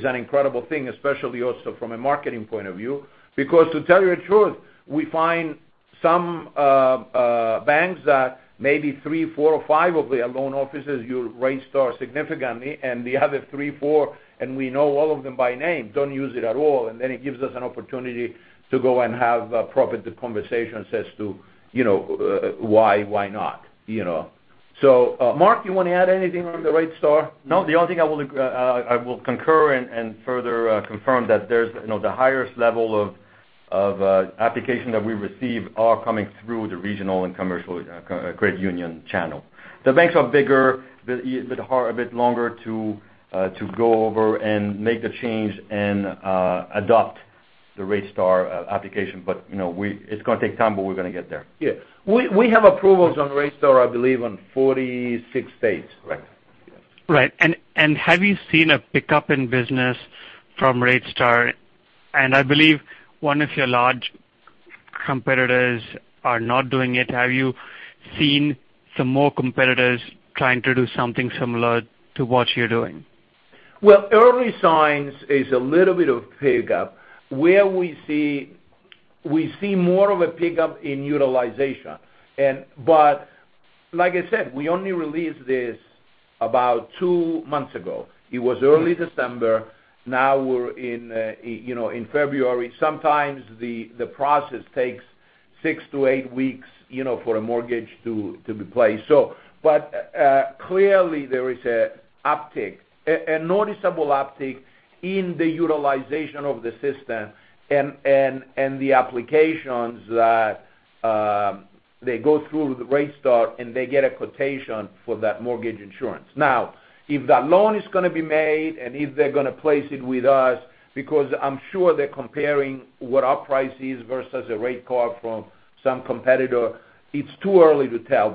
an incredible thing, especially also from a marketing point of view. To tell you the truth, we find some banks that maybe three, four, or five of their loan officers use RateStar significantly, and the other three, four, and we know all of them by name, don't use it at all. It gives us an opportunity to go and have a proper conversation as to why not. Marc, you want to add anything on the RateStar? No. The only thing I will concur and further confirm that the highest level of application that we receive are coming through the regional and commercial credit union channel. The banks are bigger, a bit longer to go over and make the change and adopt the RateStar application. It's going to take time, but we're going to get there. Yeah. We have approvals on RateStar, I believe, in 46 states. Correct. Yes. Right. Have you seen a pickup in business from RateStar? I believe one of your large competitors are not doing it. Have you seen some more competitors trying to do something similar to what you're doing? Well, early signs is a little bit of pickup. Where we see more of a pickup in utilization. Like I said, we only released this about two months ago. It was early December. Now we're in February. Sometimes the process takes six to eight weeks for a mortgage to be placed. Clearly, there is an uptick, a noticeable uptick in the utilization of the system and the applications that they go through the RateStar, and they get a quotation for that mortgage insurance. If that loan is going to be made and if they're going to place it with us, because I'm sure they're comparing what our price is versus a Rate Card from some competitor, it's too early to tell.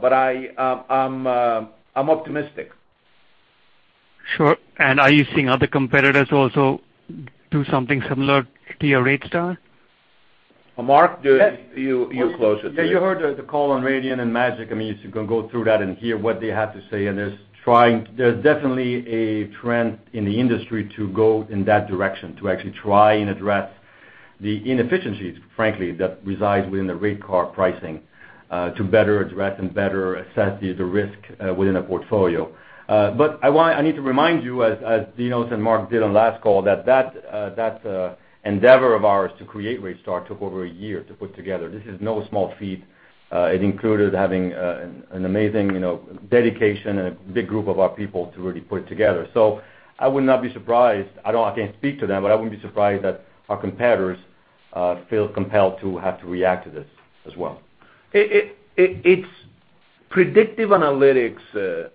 I'm optimistic. Sure. Are you seeing other competitors also do something similar to your RateStar? Marc, you're closer to it. You heard the call on Radian and MGIC. I mean, you can go through that and hear what they have to say, and there's definitely a trend in the industry to go in that direction to actually try and address the inefficiencies, frankly, that reside within the Rate Card pricing to better address and better assess the risk within a portfolio. I need to remind you, as Dinos and Mark did on last call, that that endeavor of ours to create RateStar took over a year to put together. This is no small feat. It included having an amazing dedication and a big group of our people to really put it together. I would not be surprised. I can't speak to them, but I wouldn't be surprised that our competitors feel compelled to have to react to this as well. It's predictive analytics,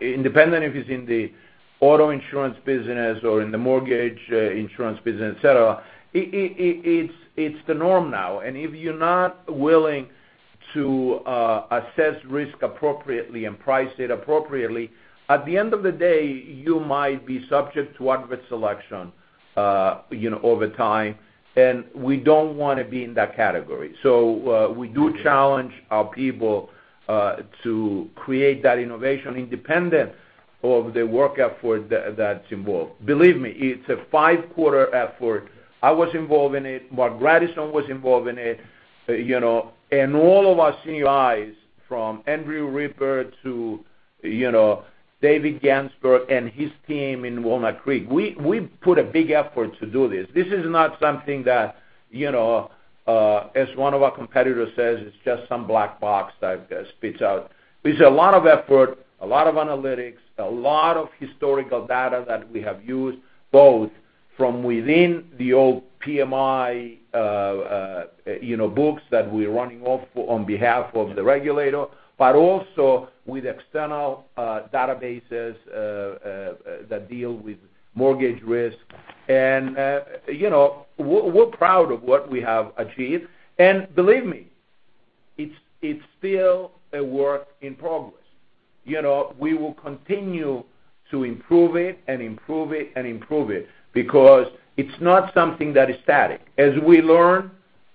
independent if it's in the auto insurance business or in the mortgage insurance business, et cetera. It's the norm now. If you're not willing to assess risk appropriately and price it appropriately, at the end of the day, you might be subject to adverse selection over time, and we don't want to be in that category. We do challenge our people to create that innovation independent of the work effort that's involved. Believe me, it's a 5-quarter effort. I was involved in it. Marc Grandisson was involved in it. All of our senior guys, from Andrew Rippert to David Gansberg and his team in Walnut Creek, we put a big effort to do this. This is not something that, as one of our competitors says, it's just some black box that spits out. There's a lot of effort, a lot of analytics, a lot of historical data that we have used, both from within the old PMI books that we're running off on behalf of the regulator, but also with external databases that deal with mortgage risk. We're proud of what we have achieved. Believe me, it's still a work in progress. We will continue to improve it and improve it and improve it because it's not something that is static. As we learn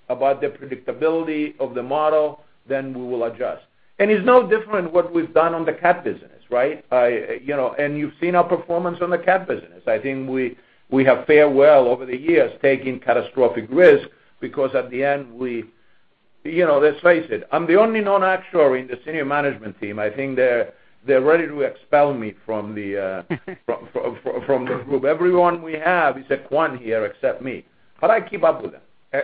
about the predictability of the model, then we will adjust. It's no different what we've done on the cat business, right? You've seen our performance on the cat business. I think we have fared well over the years taking catastrophic risk because at the end, Let's face it, I'm the only non-actuary in the senior management team. I think they're ready to expel me from the group. Everyone we have is a quant here except me. I keep up with them.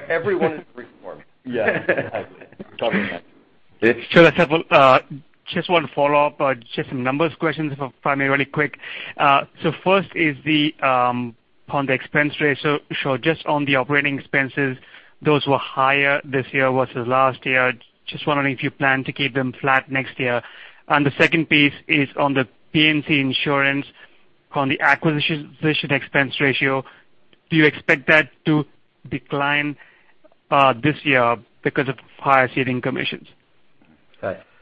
Everyone is an actuary. Yeah, exactly. Totally. Sure, that's helpful. Just one follow-up, just some numbers questions if I may, really quick. First is on the expense ratio. Just on the operating expenses, those were higher this year versus last year. Just wondering if you plan to keep them flat next year. The second piece is on the P&C Insurance on the acquisition expense ratio. Do you expect that to decline this year because of higher ceding commissions?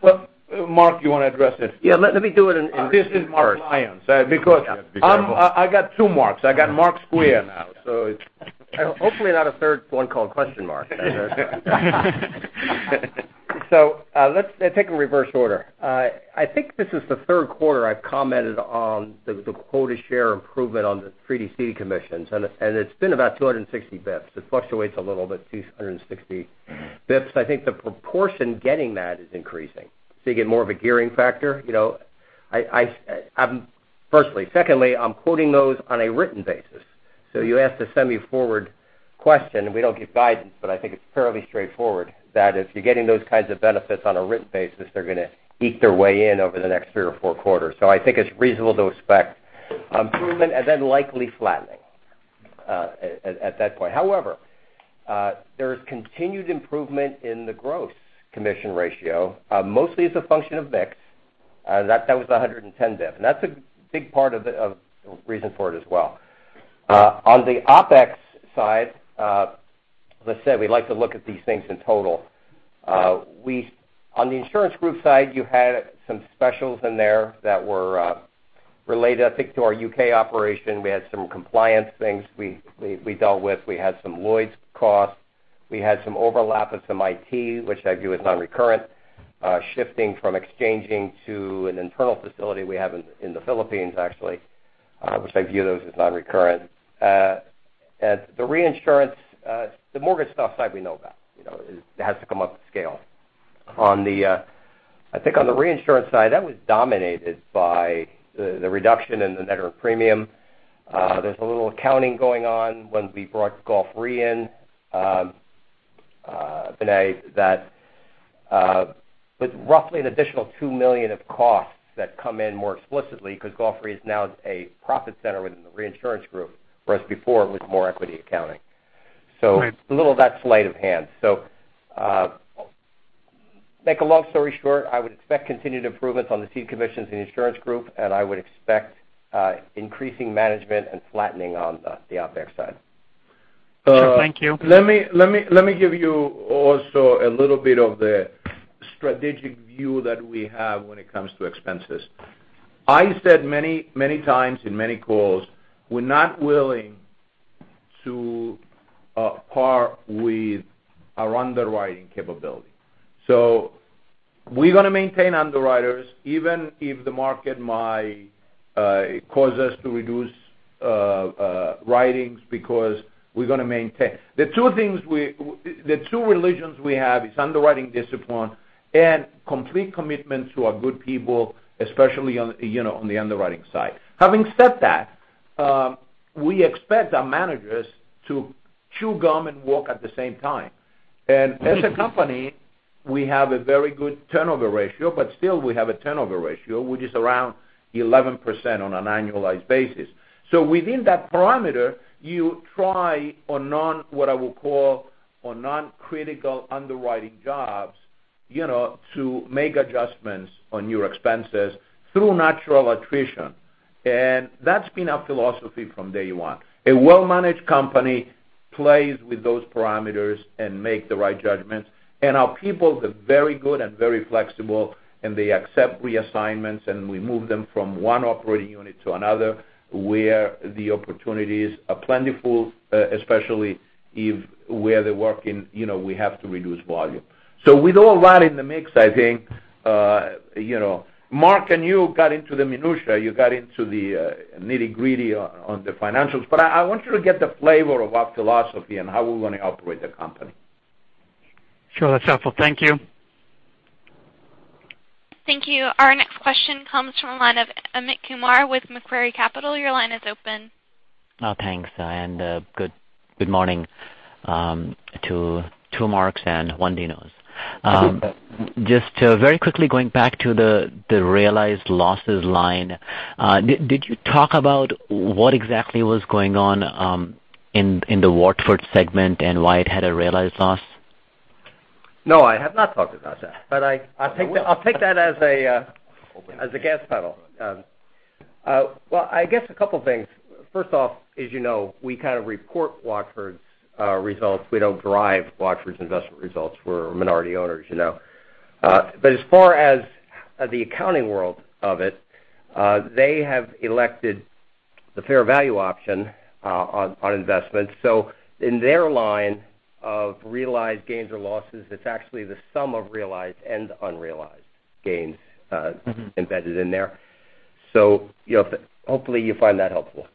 Well, Mark, you want to address it? Yeah, let me do it in reverse. This is Mark Lyons. Because I got two Marks. I got Mark Lyons now. Hopefully not a third one called Question Mark. Let's take a reverse order. I think this is the third quarter I've commented on the quota share improvement on the treaty ceding commissions, and it's been about 260 basis points. It fluctuates a little but 260 basis points. I think the proportion getting that is increasing. You get more of a gearing factor. Firstly. Secondly, I'm quoting those on a written basis. You asked a semi-forward question, and we don't give guidance, but I think it's fairly straightforward that if you're getting those kinds of benefits on a written basis, they're going to eke their way in over the next three or four quarters. I think it's reasonable to expect improvement and then likely flattening at that point. However, there is continued improvement in the gross commission ratio. Mostly it's a function of basis points. That was 110 basis points, and that's a big part of the reason for it as well. On the OpEx side, as I said, we like to look at these things in total. On the insurance group side, you had some specials in there that were related, I think, to our U.K. operation. We had some compliance things we dealt with. We had some Lloyd's costs. We had some overlap of some IT, which I view as non-recurrent, shifting from exchanging to an internal facility we have in the Philippines actually, which I view those as non-recurrent. The mortgage stuff side we know about. It has to come up to scale. I think on the reinsurance side, that was dominated by the reduction in the net of premium. There's a little accounting going on when we brought Gulf Re in. Vinay, that with roughly an additional $2 million of costs that come in more explicitly because Gulf Re is now a profit center within the reinsurance group, whereas before it was more equity accounting. Right. A little of that sleight of hand. To make a long story short, I would expect continued improvements on the ceding commissions in the insurance group, and I would expect increasing management and flattening on the OpEx side. Sure. Thank you. Let me give you also a little bit of the strategic view that we have when it comes to expenses. I said many times in many calls, we're not willing to part with our underwriting capability. We're going to maintain underwriters, even if the market might cause us to reduce writings because we're going to maintain. The two religions we have is underwriting discipline and complete commitment to our good people, especially on the underwriting side. Having said that, we expect our managers to chew gum and walk at the same time. As a company, we have a very good turnover ratio, but still we have a turnover ratio, which is around 11% on an annualized basis. Within that parameter, you try on non what I would call on non-critical underwriting jobs, to make adjustments on your expenses through natural attrition. That's been our philosophy from day one. A well-managed company plays with those parameters and make the right judgments, and our people are very good and very flexible, and they accept reassignments, and we move them from one operating unit to another where the opportunities are plentiful, especially if where they work we have to reduce volume. With all that in the mix, I think Mark and you got into the minutia, you got into the nitty-gritty on the financials. I want you to get the flavor of our philosophy and how we're going to operate the company. Sure. That's helpful. Thank you. Thank you. Our next question comes from the line of Amit Kumar with Macquarie Capital. Your line is open. Thanks. Good morning to two Marks and one Dinos. Just very quickly going back to the realized losses line. Did you talk about what exactly was going on in the Watford segment, and why it had a realized loss? No, I have not talked about that. I'll take that as a gas pedal. Well, I guess a couple things. First off, as you know, we kind of report Watford's results. We don't drive Watford's investment results. We're minority owners. In their line of realized gains or losses, it's actually the sum of realized and unrealized gains embedded in there. Hopefully you find that helpful.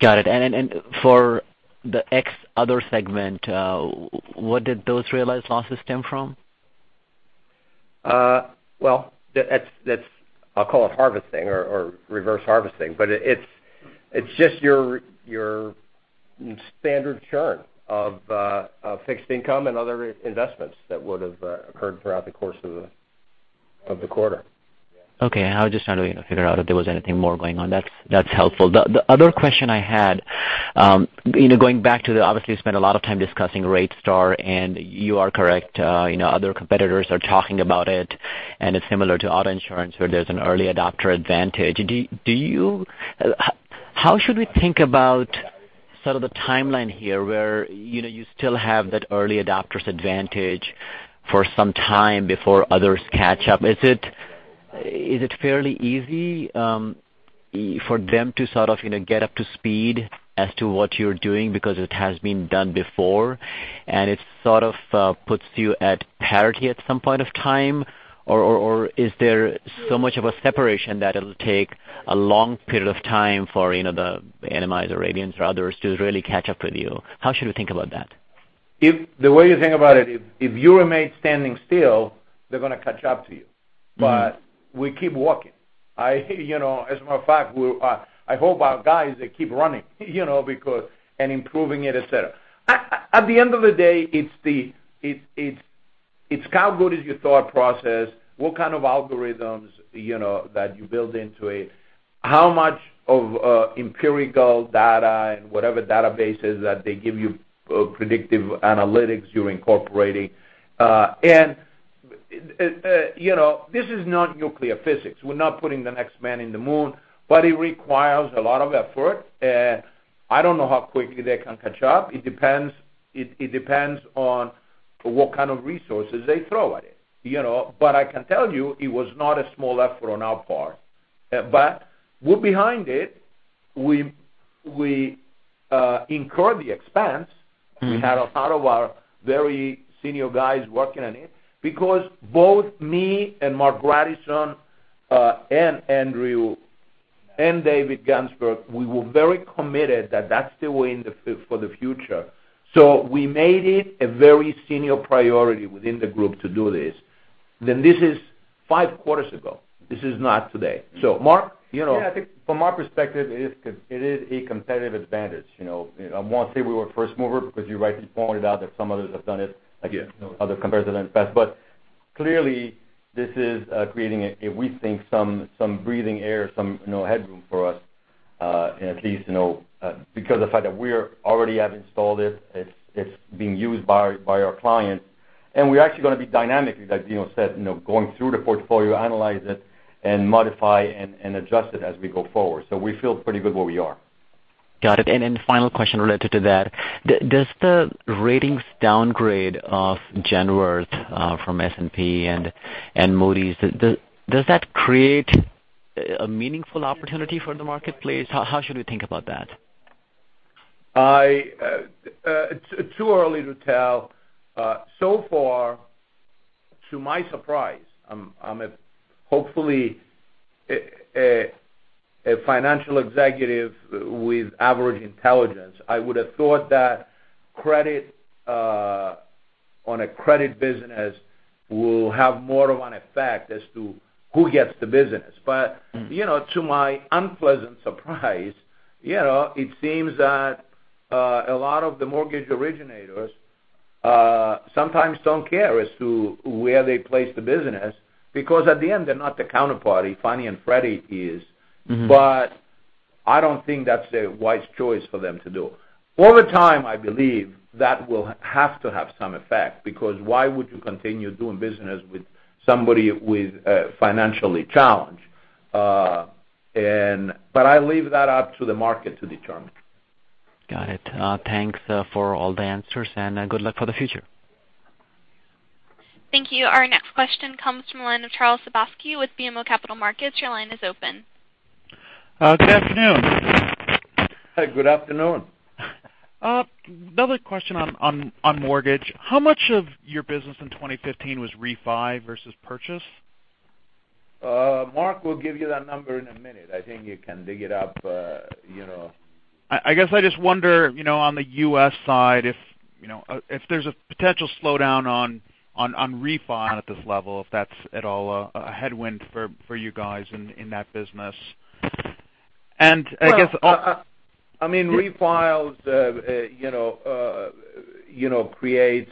Got it. For the X other segment, what did those realized losses stem from? Well, I'll call it harvesting or reverse harvesting, but it's just your standard churn of fixed income and other investments that would've occurred throughout the course of the quarter. Okay. I was just trying to figure out if there was anything more going on. That's helpful. The other question I had. Obviously, you spent a lot of time discussing RateStar, you are correct, other competitors are talking about it's similar to auto insurance where there's an early adopter advantage. How should we think about sort of the timeline here, where you still have that early adopters advantage for some time before others catch up? Is it fairly easy for them to sort of get up to speed as to what you're doing because it has been done before, it sort of puts you at parity at some point of time, or is there so much of a separation that it'll take a long period of time for the NMIH or Radian or others to really catch up with you? How should we think about that? The way you think about it, if you remain standing still, they're going to catch up to you. We keep walking. As a matter of fact, I hope our guys, they keep running, and improving it, et cetera. At the end of the day, it's how good is your thought process, what kind of algorithms that you build into it, how much of empirical data and whatever databases that they give you, predictive analytics you're incorporating. This is not nuclear physics. We're not putting the next man in the moon, but it requires a lot of effort. I don't know how quickly they can catch up. It depends on what kind of resources they throw at it. I can tell you, it was not a small effort on our part. We're behind it. We incurred the expense. We had a lot of our very senior guys working on it because both me and Marc Grandisson, and Andrew, and David Gansberg, we were very committed that that's the way in for the future. We made it a very senior priority within the group to do this. This is five quarters ago. This is not today. Mark? Yeah, I think from our perspective, it is a competitive advantage. I won't say we were first mover because you rightly pointed out that some others have done it. Yeah other competitors in the past. Clearly, this is creating, we think, some breathing air, some headroom for us, and at least because of the fact that we already have installed it's being used by our clients, and we're actually going to be dynamically, like Dino said, going through the portfolio, analyze it, and modify and adjust it as we go forward. We feel pretty good where we are. Got it. Final question related to that, does the ratings downgrade of Genworth from S&P and Moody's, does that create a meaningful opportunity for the marketplace? How should we think about that? It's too early to tell. So far, to my surprise, I'm hopefully a financial executive with average intelligence. I would have thought that on a credit business will have more of an effect as to who gets the business. to my unpleasant surprise, it seems that a lot of the mortgage originators sometimes don't care as to where they place the business because at the end, they're not the counterparty, Fannie and Freddie is. I don't think that's a wise choice for them to do. Over time, I believe that will have to have some effect because why would you continue doing business with somebody who is financially challenged? I leave that up to the market to determine. Got it. Thanks for all the answers, and good luck for the future. Thank you. Our next question comes from the line of Charles Sebaski with BMO Capital Markets. Your line is open. Good afternoon. Good afternoon. Another question on mortgage. How much of your business in 2015 was refi versus purchase? Mark will give you that number in a minute. I think he can dig it up. I guess I just wonder, on the U.S. side, if there's a potential slowdown on refi at this level, if that's at all a headwind for you guys in that business. I mean, refiles create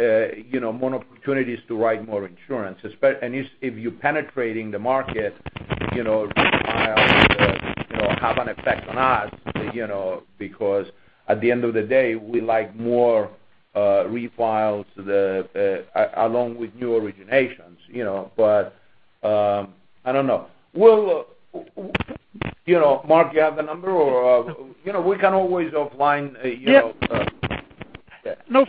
more opportunities to write more insurance. If you're penetrating the market, refiles have an effect on us, because at the end of the day, we like more refiles along with new originations. I don't know. Mark, you have the number? Or we can always. Yeah. No.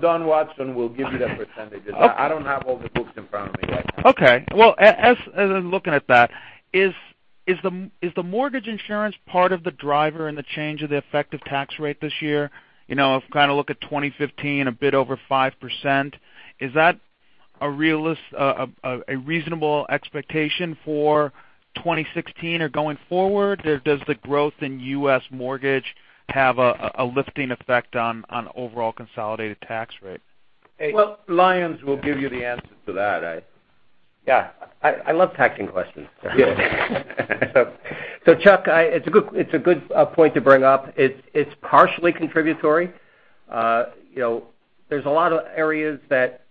Don Watson will give you the percentages. Okay. I don't have all the books in front of me right now. Well, as I'm looking at that, is the mortgage insurance part of the driver in the change of the effective tax rate this year? If kind of look at 2015, a bit over 5%. Is that a reasonable expectation for 2016 or going forward? Or does the growth in U.S. mortgage have a lifting effect on overall consolidated tax rate? Well, Lyons will give you the answer to that. Yeah. I love taxing questions. Yeah. Chuck, it's a good point to bring up. It's partially contributory. There's a lot of areas that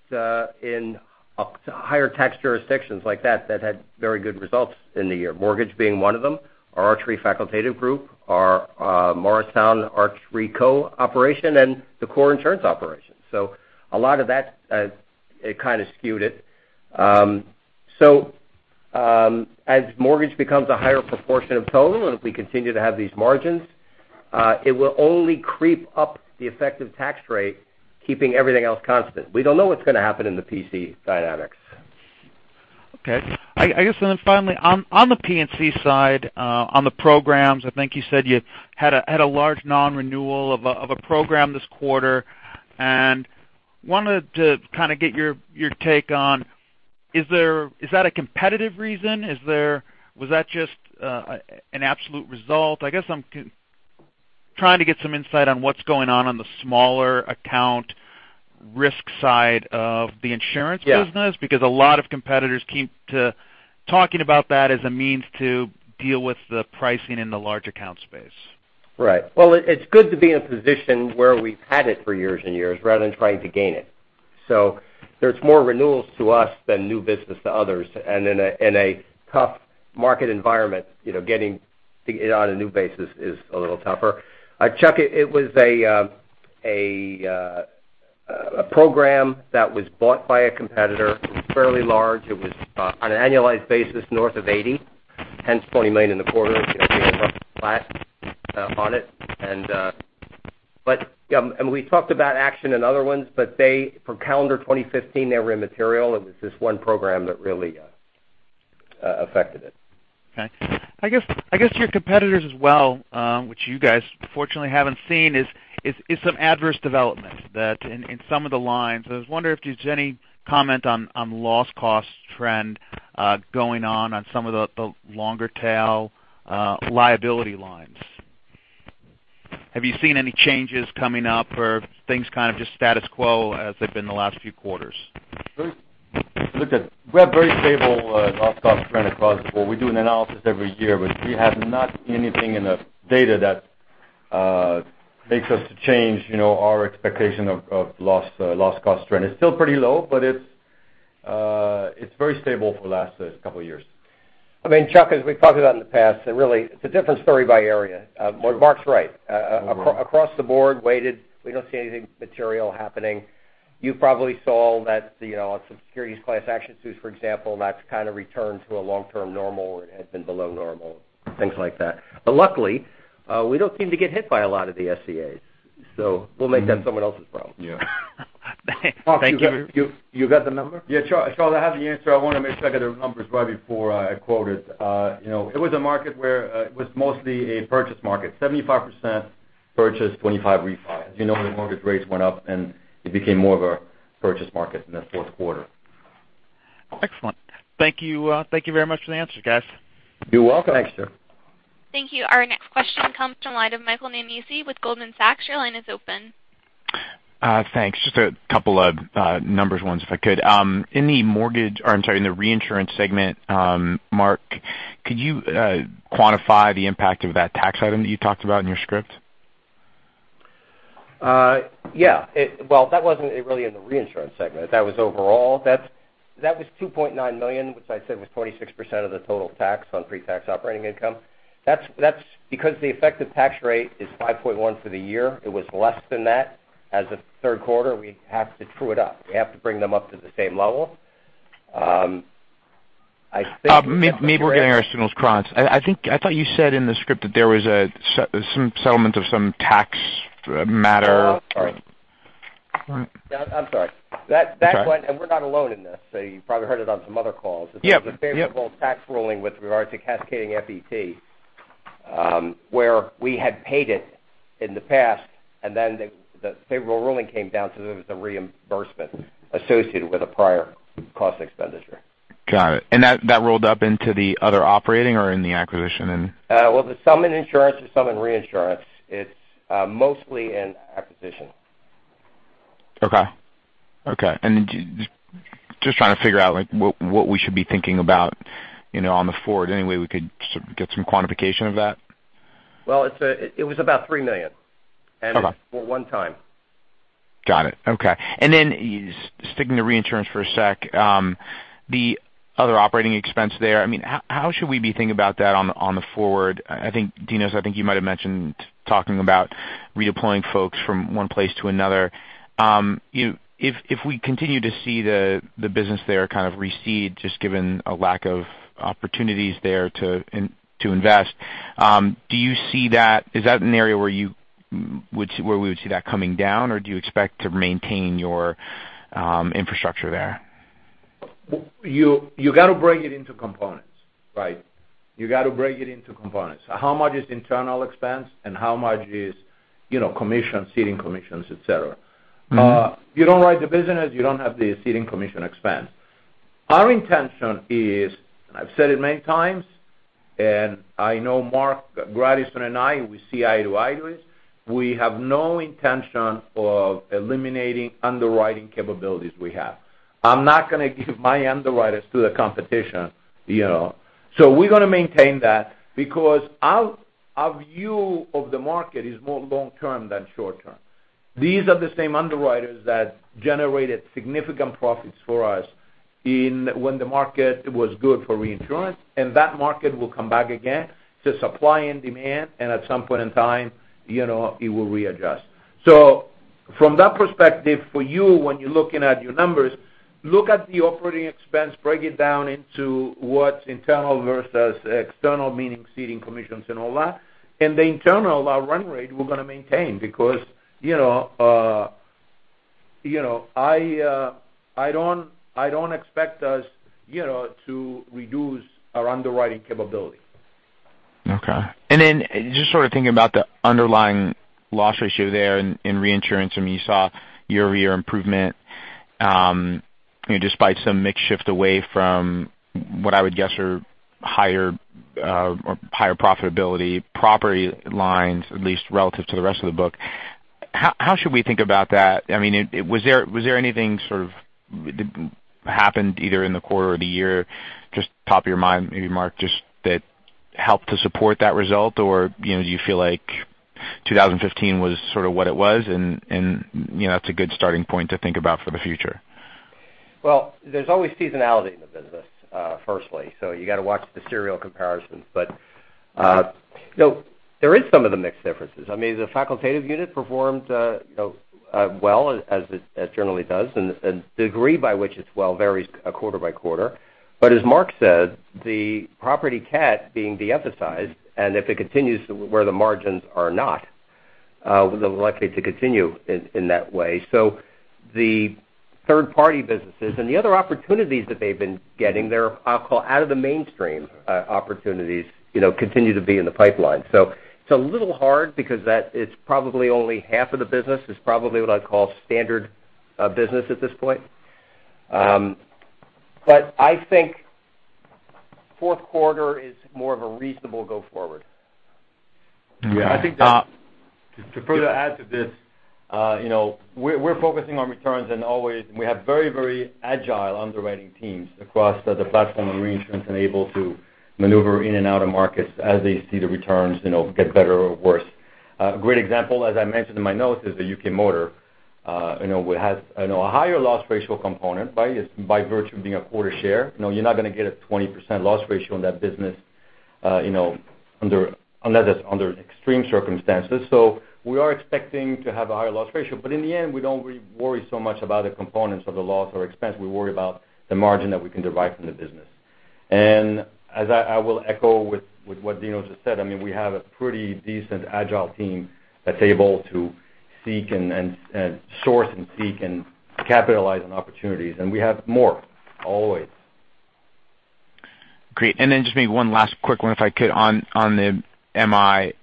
in higher tax jurisdictions like that had very good results in the year, mortgage being one of them. Our Arch Re facultative group, our Morristown Arch Re cooperation, and the core insurance operation. A lot of that kind of skewed it. As mortgage becomes a higher proportion of total, and if we continue to have these margins, it will only creep up the effective tax rate, keeping everything else constant. We don't know what's going to happen in the P&C dynamics. Okay. I guess, finally, on the P&C side, on the programs, I think you said you had a large non-renewal of a program this quarter, and wanted to kind of get your take on, is that a competitive reason? Was that just an absolute result? I guess I'm trying to get some insight on what's going on on the smaller account risk side of the insurance business. Yeah. A lot of competitors keep talking about that as a means to deal with the pricing in the large account space. Right. Well, it's good to be in a position where we've had it for years and years rather than trying to gain it. There's more renewals to us than new business to others, and in a tough market environment, getting it on a new basis is a little tougher. Chuck, it was a program that was bought by a competitor. It was fairly large. It was on an annualized basis north of $80 million, hence $20 million in the quarter, giving us flat on it. We talked about action in other ones, but they, for calendar 2015, they were immaterial. It was just one program that really affected it. Okay. I guess your competitors as well, which you guys fortunately haven't seen, is some adverse developments that in some of the lines. I was wondering if there's any comment on loss cost trend going on on some of the longer tail liability lines. Have you seen any changes coming up or things kind of just status quo as they've been the last few quarters? Look, we have very stable loss cost trend across the board. We do an analysis every year, but we have not seen anything in the data that makes us change our expectation of loss cost trend. It's still pretty low, but it's very stable for the last couple of years. Chuck, as we've talked about in the past, really, it's a different story by area. Marc's right. Across the board, weighted, we don't see anything material happening. You probably saw that on some securities class action suits, for example, that's kind of returned to a long-term normal where it had been below normal, things like that. Luckily, we don't seem to get hit by a lot of the SCAs, so we'll make that someone else's problem. Yeah. Thank you. Marc, you got the number? Yeah, Charles, I have the answer. I want to make sure I got the numbers right before I quote it. It was a market where it was mostly a purchase market, 75% purchase, 25% refi. As you know, the mortgage rates went up, and it became more of a purchase market in the fourth quarter. Excellent. Thank you very much for the answers, guys. You're welcome. Thanks, Chuck. Thank you. Our next question comes from the line of Michael Nannizzi with Goldman Sachs. Your line is open. Thanks. Just a couple of numbers ones, if I could. In the mortgage, or I'm sorry, in the reinsurance segment, Mark, could you quantify the impact of that tax item that you talked about in your script? Yeah. Well, that wasn't really in the reinsurance segment. That was overall. That was $29 million, which I said was 26% of the total tax on pre-tax operating income. That's because the effective tax rate is 5.1 for the year. It was less than that as a third quarter. We have to true it up. We have to bring them up to the same level. I think- Maybe we're getting our signals crossed. I thought you said in the script that there was some settlement of some tax matter. Oh, sorry. Yeah, I'm sorry. Okay. That one, and we're not alone in this, so you probably heard it on some other calls. Yeah. It's the favorable tax ruling with regard to cascading FET, where we had paid it in the past, and then the favorable ruling came down, so there was a reimbursement associated with a prior cost expenditure. Got it. That rolled up into the other operating or in the acquisition. Well, some in insurance and some in reinsurance. It's mostly in acquisition. Okay. Just trying to figure out what we should be thinking about on the forward. Any way we could get some quantification of that? Well, it was about $3 million. Okay. One time. Got it. Okay. Sticking to reinsurance for a sec, the other operating expense there, how should we be thinking about that on the forward? Dinos, I think you might've mentioned talking about redeploying folks from one place to another. If we continue to see the business there kind of recede, just given a lack of opportunities there to invest, is that an area where we would see that coming down, or do you expect to maintain your infrastructure there? You got to break it into components. Right. You got to break it into components. How much is internal expense and how much is commission, ceding commissions, et cetera. If you don't like the business, you don't have the ceding commission expense. Our intention is, I've said it many times, and I know Marc Grandisson and I, we see eye to eye to this. We have no intention of eliminating underwriting capabilities we have. I'm not going to give my underwriters to the competition. We're going to maintain that because our view of the market is more long term than short term. These are the same underwriters that generated significant profits for us when the market was good for reinsurance, and that market will come back again to supply and demand, and at some point in time, it will readjust. From that perspective, for you, when you're looking at your numbers, look at the operating expense, break it down into what's internal versus external, meaning ceding commissions and all that. The internal, our run rate, we're going to maintain because I don't expect us to reduce our underwriting capability. Okay. Just sort of thinking about the underlying loss ratio there in reinsurance. You saw year-over-year improvement, despite some mix shift away from what I would guess are higher profitability, property lines, at least relative to the rest of the book. How should we think about that? Was there anything sort of happened either in the quarter or the year, just top of your mind, maybe Marc, just that helped to support that result? Do you feel like 2015 was sort of what it was, and that's a good starting point to think about for the future? Well, there's always seasonality in the business, firstly. You got to watch the serial comparisons. There is some of the mix differences. The facultative unit performed well as it generally does, and the degree by which it's well varies quarter by quarter. As Marc said, the property cat being de-emphasized, and if it continues where the margins are not, they're likely to continue in that way. The third-party businesses and the other opportunities that they've been getting, they're, I'll call out of the mainstream opportunities continue to be in the pipeline. It's a little hard because that is probably only half of the business, is probably what I'd call standard business at this point. I think fourth quarter is more of a reasonable go forward. Yeah, I think that- To further add to this, we're focusing on returns and always, we have very agile underwriting teams across the platform and reinsurance and able to maneuver in and out of markets as they see the returns get better or worse. A great example, as I mentioned in my notes, is the U.K. motor. It has a higher loss ratio component by virtue of being a quarter share. You're not going to get a 20% loss ratio in that business unless it's under extreme circumstances. We are expecting to have a higher loss ratio, but in the end, we don't worry so much about the components of the loss or expense. We worry about the margin that we can derive from the business. As I will echo with what Dinos just said, we have a pretty decent agile team that's able to seek and source and seek and capitalize on opportunities, and we have more, always. Great. Just maybe one last quick one if I could on the MI.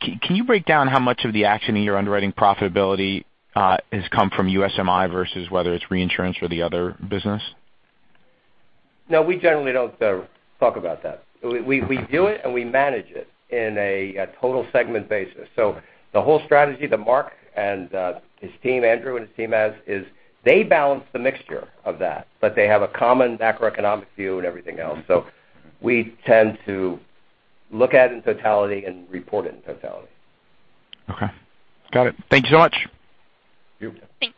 Can you break down how much of the action in your underwriting profitability has come from U.S. MI versus whether it's reinsurance or the other business? No, we generally don't talk about that. We do it, and we manage it in a total segment basis. The whole strategy that Marc and his team, Andrew and his team has is they balance the mixture of that, but they have a common macroeconomic view and everything else. We tend to look at it in totality and report it in totality. Okay. Got it. Thank you so much. Thank you.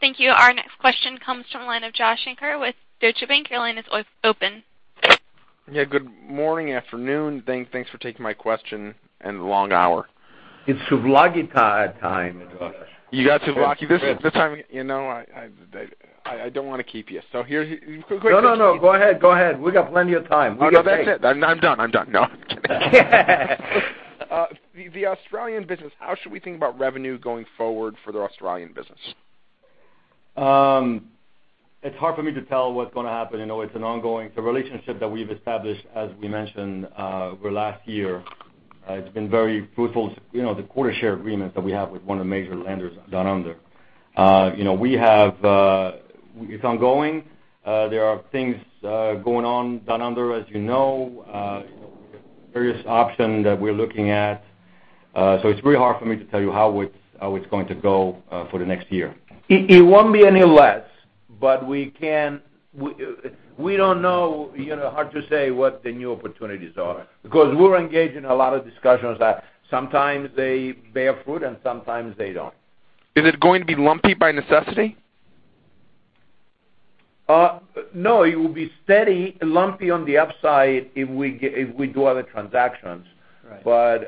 Thank you. Our next question comes from the line of Josh Shanker with Deutsche Bank. Your line is open. Yeah, good morning, afternoon. Thanks for taking my question and the long hour. It's souvlaki time, Josh. You got souvlaki. I don't want to keep you. Here. No, go ahead. We got plenty of time. We got tape. No, that's it. I'm done. No, I'm kidding. The Australian business, how should we think about revenue going forward for the Australian business? It's hard for me to tell what's going to happen. It's an ongoing relationship that we've established, as we mentioned, over last year. It's been very fruitful, the quarter share agreements that we have with one of the major lenders down under. It's ongoing. There are things going on down under, as you know. Various options that we're looking at. It's very hard for me to tell you how it's going to go for the next year. It won't be any less, but we don't know, hard to say what the new opportunities are because we're engaged in a lot of discussions that sometimes they bear fruit and sometimes they don't. Is it going to be lumpy by necessity? It will be steady, lumpy on the upside if we do other transactions. Right.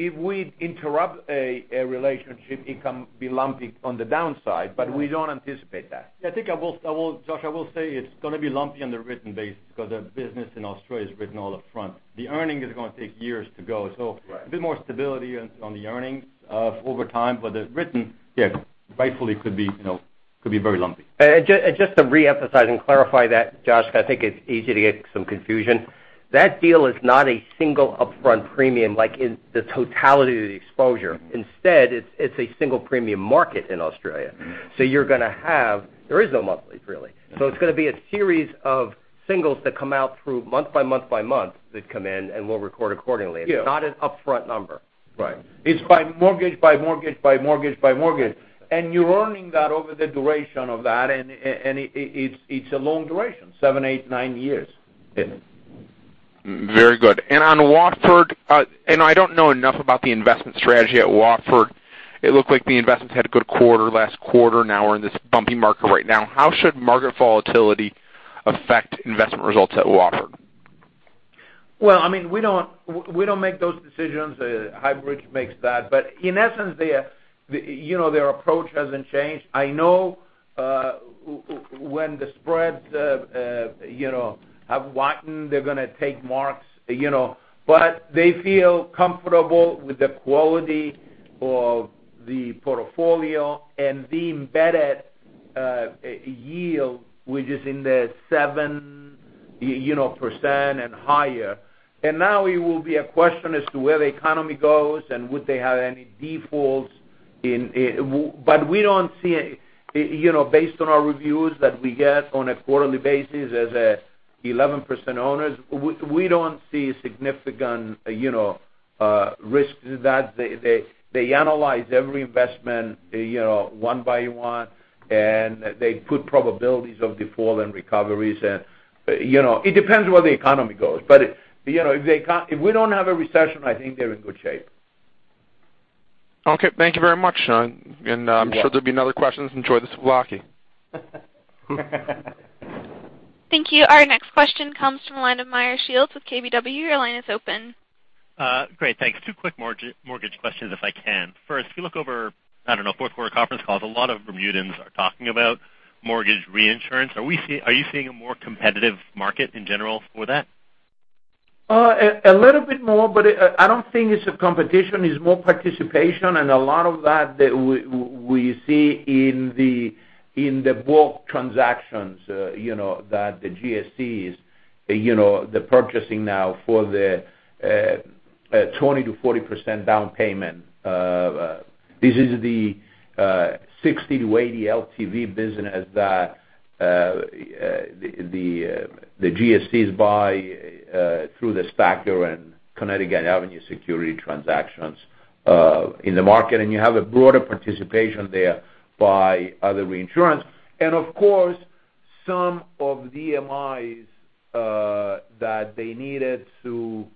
If we interrupt a relationship, it can be lumpy on the downside, but we don't anticipate that. I think I will, Josh, I will say it's going to be lumpy on the written base because the business in Australia is written all up front. The earnings is going to take years to go. Right A bit more stability on the earnings over time, the written. Rightfully could be very lumpy. Just to reemphasize and clarify that, Josh, because I think it's easy to get some confusion. That deal is not a single up-front premium, like in the totality of the exposure. Instead, it's a single premium market in Australia. You're going to have There is no monthly, really. It's going to be a series of singles that come out through month by month by month that come in, and we'll record accordingly. Yeah. It's not an upfront number. Right. It's by mortgage, by mortgage, by mortgage, by mortgage. You're earning that over the duration of that, and it's a long duration, seven, eight, nine years. Very good. On Watford, and I don't know enough about the investment strategy at Watford, it looked like the investments had a good quarter last quarter. Now we're in this bumpy market right now. How should market volatility affect investment results at Watford? Well, we don't make those decisions. Highbridge makes that. In essence, their approach hasn't changed. I know when the spreads have widened, they're going to take marks. They feel comfortable with the quality of the portfolio and the embedded yield, which is in the 7% and higher. Now it will be a question as to where the economy goes and would they have any defaults. Based on our reviews that we get on a quarterly basis as 11% owners, we don't see significant risks that they analyze every investment one by one, and they put probabilities of default and recoveries, and it depends where the economy goes. If we don't have a recession, I think they're in good shape. Okay. Thank you very much. I'm sure there'll be another questions. Enjoy the souvlaki. Thank you. Our next question comes from the line of Meyer Shields with KBW. Your line is open. Great, thanks. Two quick mortgage questions, if I can. First, if you look over, I don't know, fourth quarter conference calls, a lot of Bermudians are talking about mortgage reinsurance. Are you seeing a more competitive market in general for that? A little bit more. I don't think it's a competition. It's more participation, a lot of that we see in the bulk transactions that the GSEs they're purchasing now for the 20%-40% down payment. This is the 60-80 LTV business that the GSEs buy through the STACR and Connecticut Avenue Securities transactions in the market. You have a broader participation there by other reinsurance. Of course, some of the MIs that they needed to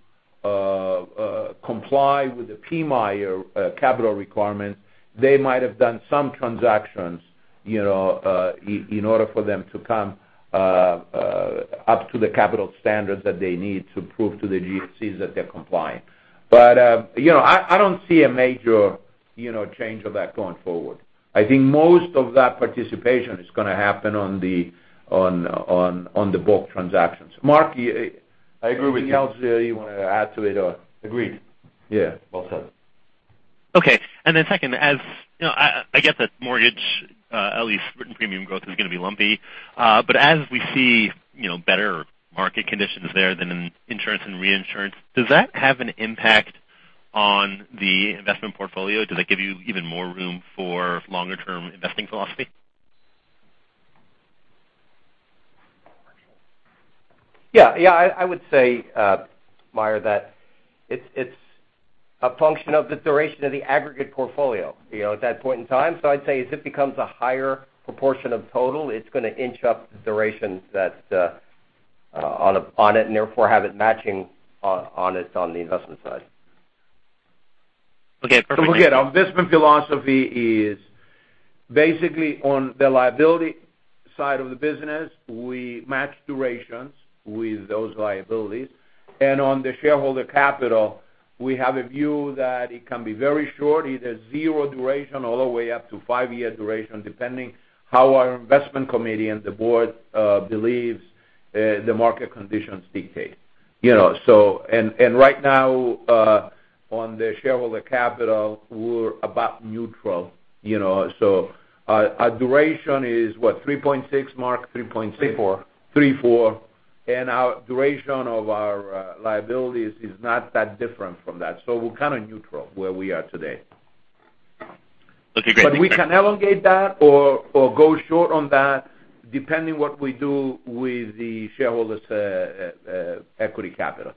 comply with the PMIERs capital requirements, they might have done some transactions in order for them to come up to the capital standards that they need to prove to the GSEs that they're compliant. I don't see a major change of that going forward. I think most of that participation is going to happen on the bulk transactions. Marc, anything else you want to add to it or? Agreed. Yeah. Well said. Okay. Second, I get that mortgage, at least written premium growth is going to be lumpy. As we see better market conditions there than in insurance and reinsurance, does that have an impact on the investment portfolio? Does that give you even more room for longer-term investing philosophy? Yeah. I would say, Meyer, that it's a function of the duration of the aggregate portfolio at that point in time. I'd say as it becomes a higher proportion of total, it's going to inch up the durations on it, and therefore have it matching on the investment side. Okay. Perfect. Again, our investment philosophy is basically on the liability side of the business. We match durations with those liabilities. On the shareholder capital, we have a view that it can be very short, either zero duration all the way up to five-year duration, depending how our investment committee and the board believes the market conditions dictate. Right now, on the shareholder capital, we're about neutral. Our duration is what, 3.6, Mark? 3.6. 3.4. 3.4. Our duration of our liabilities is not that different from that. We're kind of neutral where we are today. That's a great. We can elongate that or go short on that depending what we do with the shareholders' equity capital.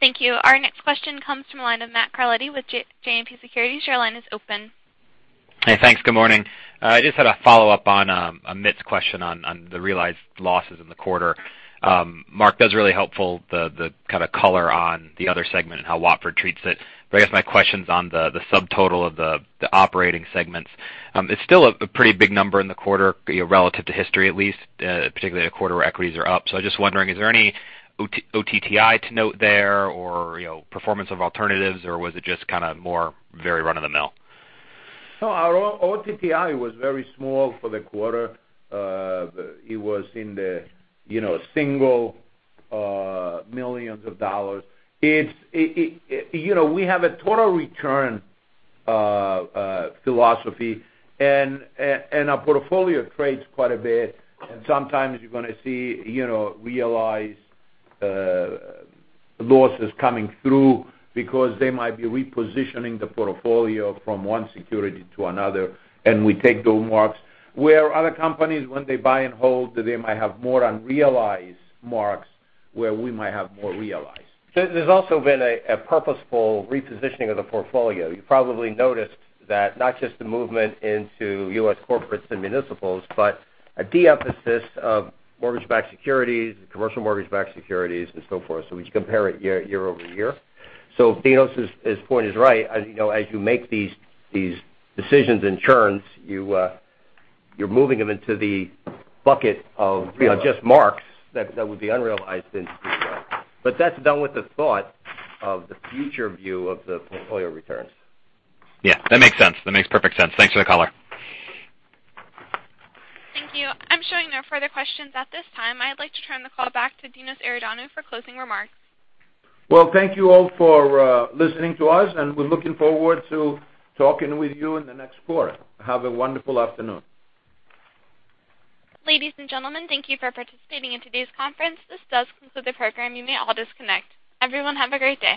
Right. Thank you. Our next question comes from the line of Matthew Carletti with JMP Securities. Your line is open. Hey, thanks. Good morning. I just had a follow-up on Amit's question on the realized losses in the quarter. Mark, that was really helpful, the kind of color on the other segment and how Watford treats it. I guess my question's on the subtotal of the operating segments. It's still a pretty big number in the quarter relative to history, at least, particularly a quarter where equities are up. I'm just wondering, is there any OTTI to note there or performance of alternatives, or was it just kind of more very run-of-the-mill? No, our OTTI was very small for the quarter. It was in the single millions of dollars. We have a total return philosophy, our portfolio trades quite a bit. Sometimes you're going to see realized losses coming through because they might be repositioning the portfolio from one security to another, and we take those marks. Where other companies, when they buy and hold, they might have more unrealized marks where we might have more realized. There's also been a purposeful repositioning of the portfolio. You probably noticed that not just the movement into U.S. corporates and municipals, but a de-emphasis of mortgage-backed securities, commercial mortgage-backed securities, and so forth. When you compare it year over year. Dinos' point is right. As you make these decisions and turns, you're moving them into the bucket of just marks that would be unrealized in Q4. That's done with the thought of the future view of the portfolio returns. Yeah, that makes sense. That makes perfect sense. Thanks for the color. Thank you. I'm showing no further questions at this time. I'd like to turn the call back to Dinos Iordanou for closing remarks. Well, thank you all for listening to us. We're looking forward to talking with you in the next quarter. Have a wonderful afternoon. Ladies and gentlemen, thank you for participating in today's conference. This does conclude the program. You may all disconnect. Everyone, have a great day.